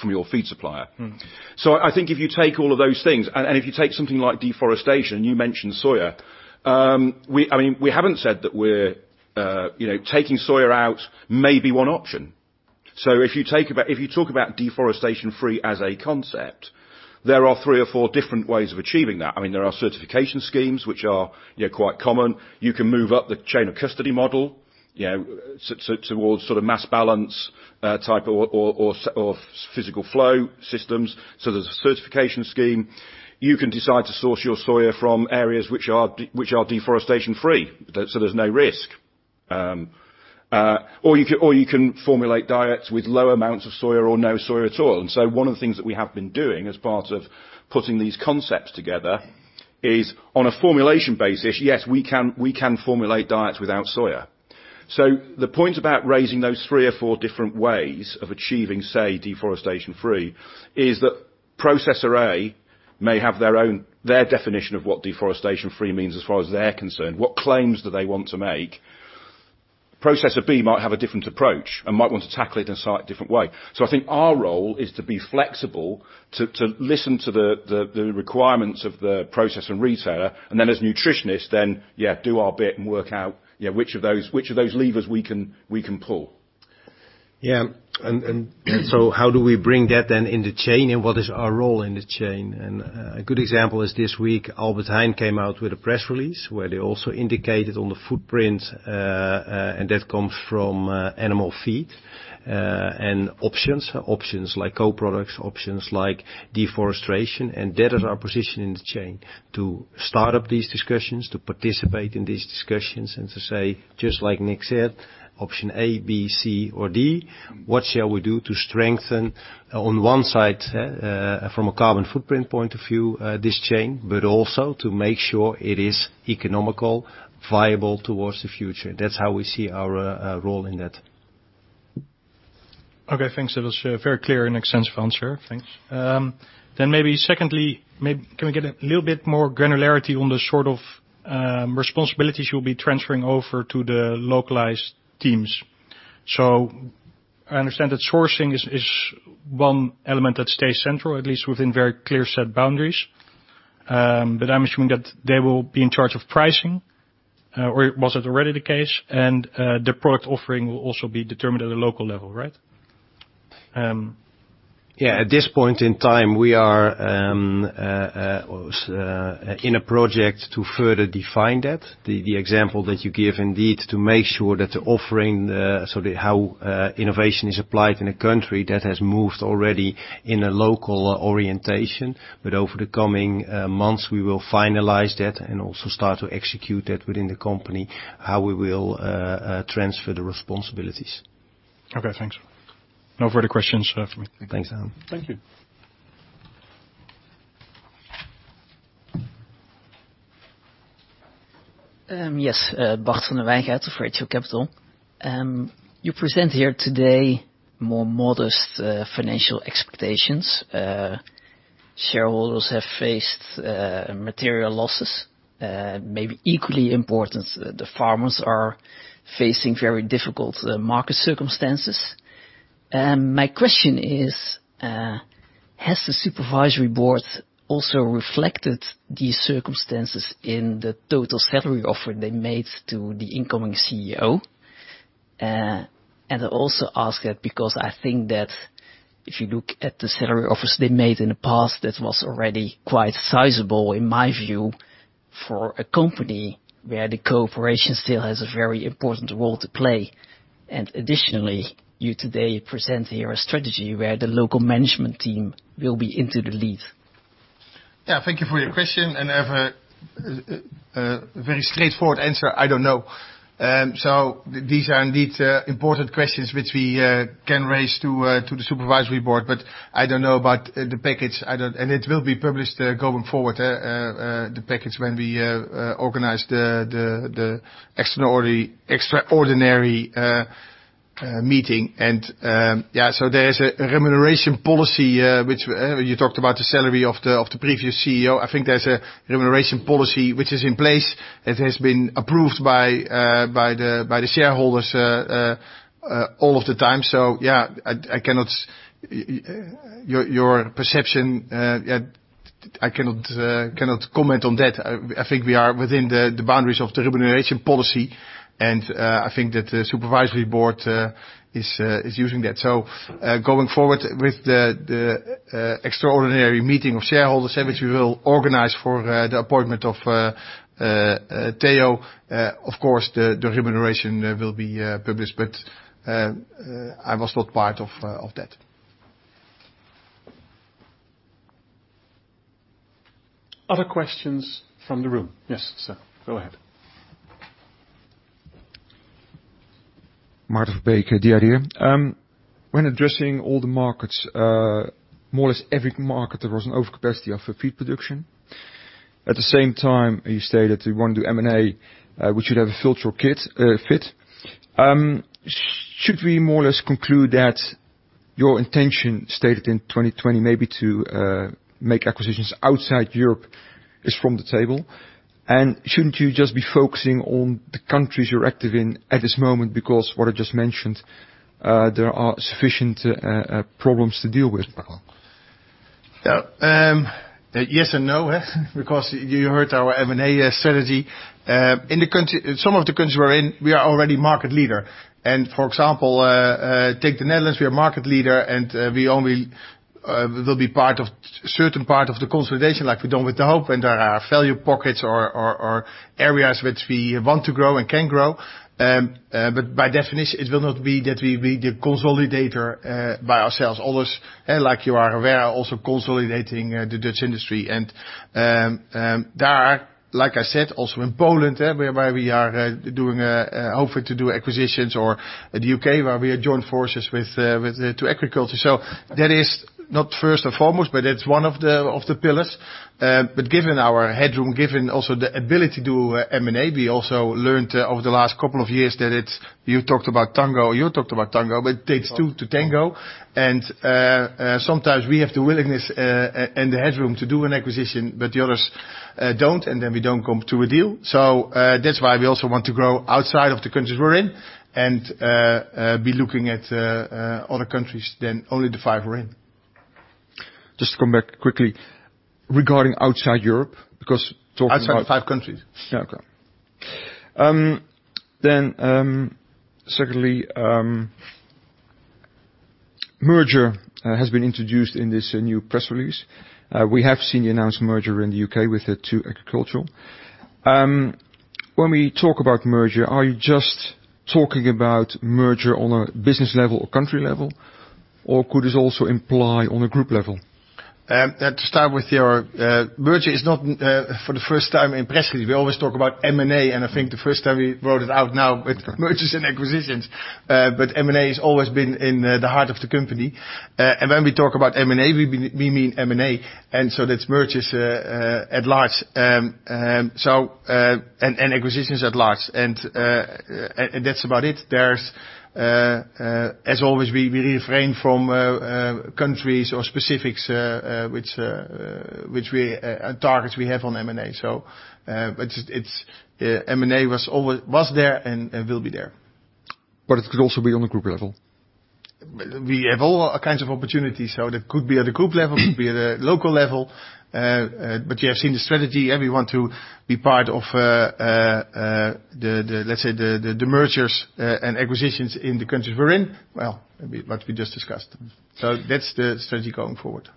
from your feed supplier? Mm. I think if you take all of those things, and if you take something like deforestation, you mentioned soya, I mean, we haven't said that we're, you know, taking soya out may be one option. If you talk about deforestation-free as a concept, there are three or four different ways of achieving that. I mean, there are certification schemes which are, you know, quite common. You can move up the chain-of-custody model, you know, towards sort of mass-balance type or physical-flow systems. There's a certification scheme. You can decide to source your soya from areas which are deforestation-free, so there's no risk. You can formulate diets with low amounts of soya or no soya at all. One of the things that we have been doing as part of putting these concepts together is on a formulation basis, yes, we can formulate diets without soya. The point about raising those three or four different ways of achieving, say, deforestation-free, is that Processor A may have their definition of what deforestation-free means as far as they're concerned. What claims do they want to make? Processor B might have a different approach and might want to tackle it in a slightly different way. I think our role is to be flexible, to listen to the requirements of the processor and retailer, and then as nutritionists then, yeah, do our bit and work out, yeah, which of those levers we can pull. Yeah. How do we bring that then in the chain? What is our role in the chain? A good example is this week, Albert Heijn came out with a press release where they also indicated on the footprint and that comes from animal feed and options. Options like co-products, options like deforestation. That is our position in the chain to start up these discussions, to participate in these discussions and to say, just like Nick said, option A, B, C, or D, what shall we do to strengthen on one side from a carbon footprint point of view this chain, but also to make sure it is economical, viable towards the future. That's how we see our role in that. Okay, thanks. That was very clear and extensive answer. Thanks. Maybe secondly, can we get a little bit more granularity on the sort of responsibilities you'll be transferring over to the localized teams? I understand that sourcing is one element that stays central, at least within very clear set boundaries. I'm assuming that they will be in charge of pricing or was it already the case? The product offering will also be determined at a local level, right? Yeah. At this point in time, we are in a project to further define that. The example that you give indeed to make sure that the offering, so how innovation is applied in a country that has moved already in a local orientation. Over the coming months, we will finalize that and also start to execute that within the company, how we will transfer the responsibilities. Okay, thanks. No further questions for me. Thanks. Thank you. Yes. Bart van der Weide of FHO Capital. You present here today more modest financial expectations. Shareholders have faced material losses. Maybe equally important, the farmers are facing very difficult market circumstances. My question is, has the Supervisory Board also reflected these circumstances in the total salary offer they made to the incoming CEO? I also ask that because I think that if you look at the salary offers they made in the past, that was already quite sizable, in my view, for a company where the cooperation still has a very important role to play. Additionally, you today present here a strategy where the local management team will be into the lead. Yeah. Thank you for your question. I have a very straightforward answer, I don't know. These are indeed important questions which we can raise to the Supervisory Board. I don't know about the package. It will be published going forward, the package when we organize the extraordinary meeting. Yeah, there is a remuneration policy which you talked about the salary of the previous CEO. I think there's a remuneration policy which is in place that has been approved by the shareholders all of the time. Yeah, your perception I cannot comment on that. I think we are within the boundaries of the remuneration policy, and I think that the Supervisory Board is using that. Going forward with the extraordinary meeting of shareholders which we will organize for the appointment of Theo, of course, the remuneration will be published. I was not part of that. Other questions from the room? Yes, sir. Go ahead. Maarten Verbeek, the IDEA! When addressing all the markets, more or less every market, there was an overcapacity of feed production. At the same time, you stated we want to do M&A, we should have a filter fit. Should we more or less conclude that your intention stated in 2020 maybe to make acquisitions outside Europe is from the table? Shouldn't you just be focusing on the countries you're active in at this moment? Because what I just mentioned, there are sufficient problems to deal with. Yeah, yes and no, huh? Because you heard our M&A strategy. In some of the countries we're in, we are already market leader. For example, take the Netherlands, we are market leader and we only will be part of certain part of the consolidation like we've done with De Hoop and there are value pockets or areas which we want to grow and can grow. By definition, it will not be that we beat the consolidator by ourselves. Others, like you are aware, also consolidating the Dutch industry. There, like I said, also in Poland, where we are hoping to do acquisitions, or the U.K. where we have joined forces with 2Agriculture. That is not first and foremost, but it's one of the pillars. Given our headroom, given also the ability to do M&A, we also learned over the last couple of years. You talked about tango, but takes two to tango. Sometimes we have the willingness and the headroom to do an acquisition, but the others don't, and then we don't come to a deal. That's why we also want to grow outside of the countries we're in and be looking at other countries than only the five we're in. Just to come back quickly regarding outside Europe. Outside the five countries. Okay. Secondly, merger has been introduced in this new press release. We have seen you announce merger in the U.K. with 2Agriculture. When we talk about merger, are you just talking about merger on a business level or country level, or could this also imply on a group level? To start with your merger is not for the first time in press release. We always talk about M&A, and I think the first time we wrote it out now with mergers and acquisitions. M&A has always been in the heart of the company. When we talk about M&A, we mean M&A, and that's mergers at large and acquisitions at large. That's about it. As always, we refrain from countries or specifics and targets we have on M&A. M&A was there and will be there. It could also be on a group level. We have all kinds of opportunities, so that could be at a group level, could be at a local level. You have seen the strategy, and we want to be part of the, let's say, the mergers and acquisitions in the countries we're in. Well, what we just discussed. That's the strategy going forward.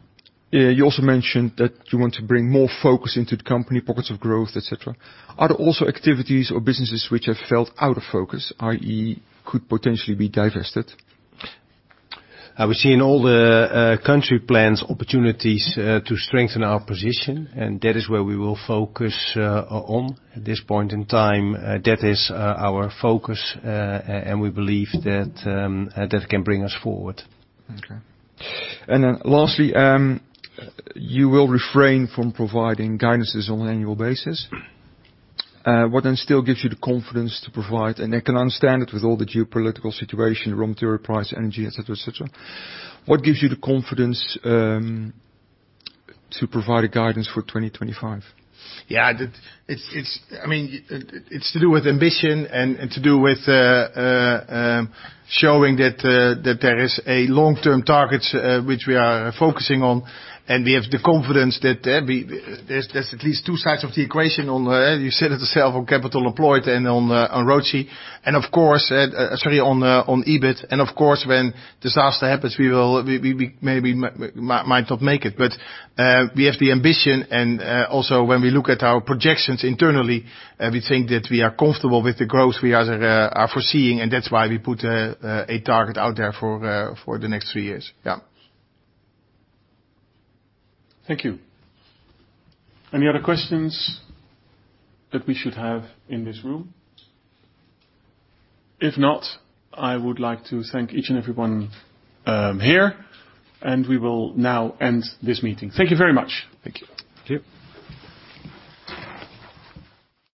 Yeah. You also mentioned that you want to bring more focus into the company, pockets of growth, et cetera. Are there also activities or businesses which have felt out of focus, i.e., could potentially be divested? I would say in all the country plans, opportunities to strengthen our position, and that is where we will focus on at this point in time. That is our focus, and we believe that can bring us forward. Okay. Lastly, you will refrain from providing guidances on an annual basis. What then still gives you the confidence to provide, and I can understand it with all the geopolitical situation, raw material price, energy, et cetera, et cetera, what gives you the confidence to provide a guidance for 2025? Yeah. It's, I mean, it's to do with ambition and to do with showing that there is a long-term targets which we are focusing on. We have the confidence that there's at least two sides of the equation on, you said it yourself, on capital employed and on ROACE. Of course, sorry, on EBIT. Of course, when disaster happens, we will maybe might not make it. We have the ambition. Also when we look at our projections internally, we think that we are comfortable with the growth we are foreseeing. That's why we put a target out there for the next three years. Yeah. Thank you. Any other questions that we should have in this room? If not, I would like to thank each and everyone here, and we will now end this meeting. Thank you very much. Thank you. Thank you.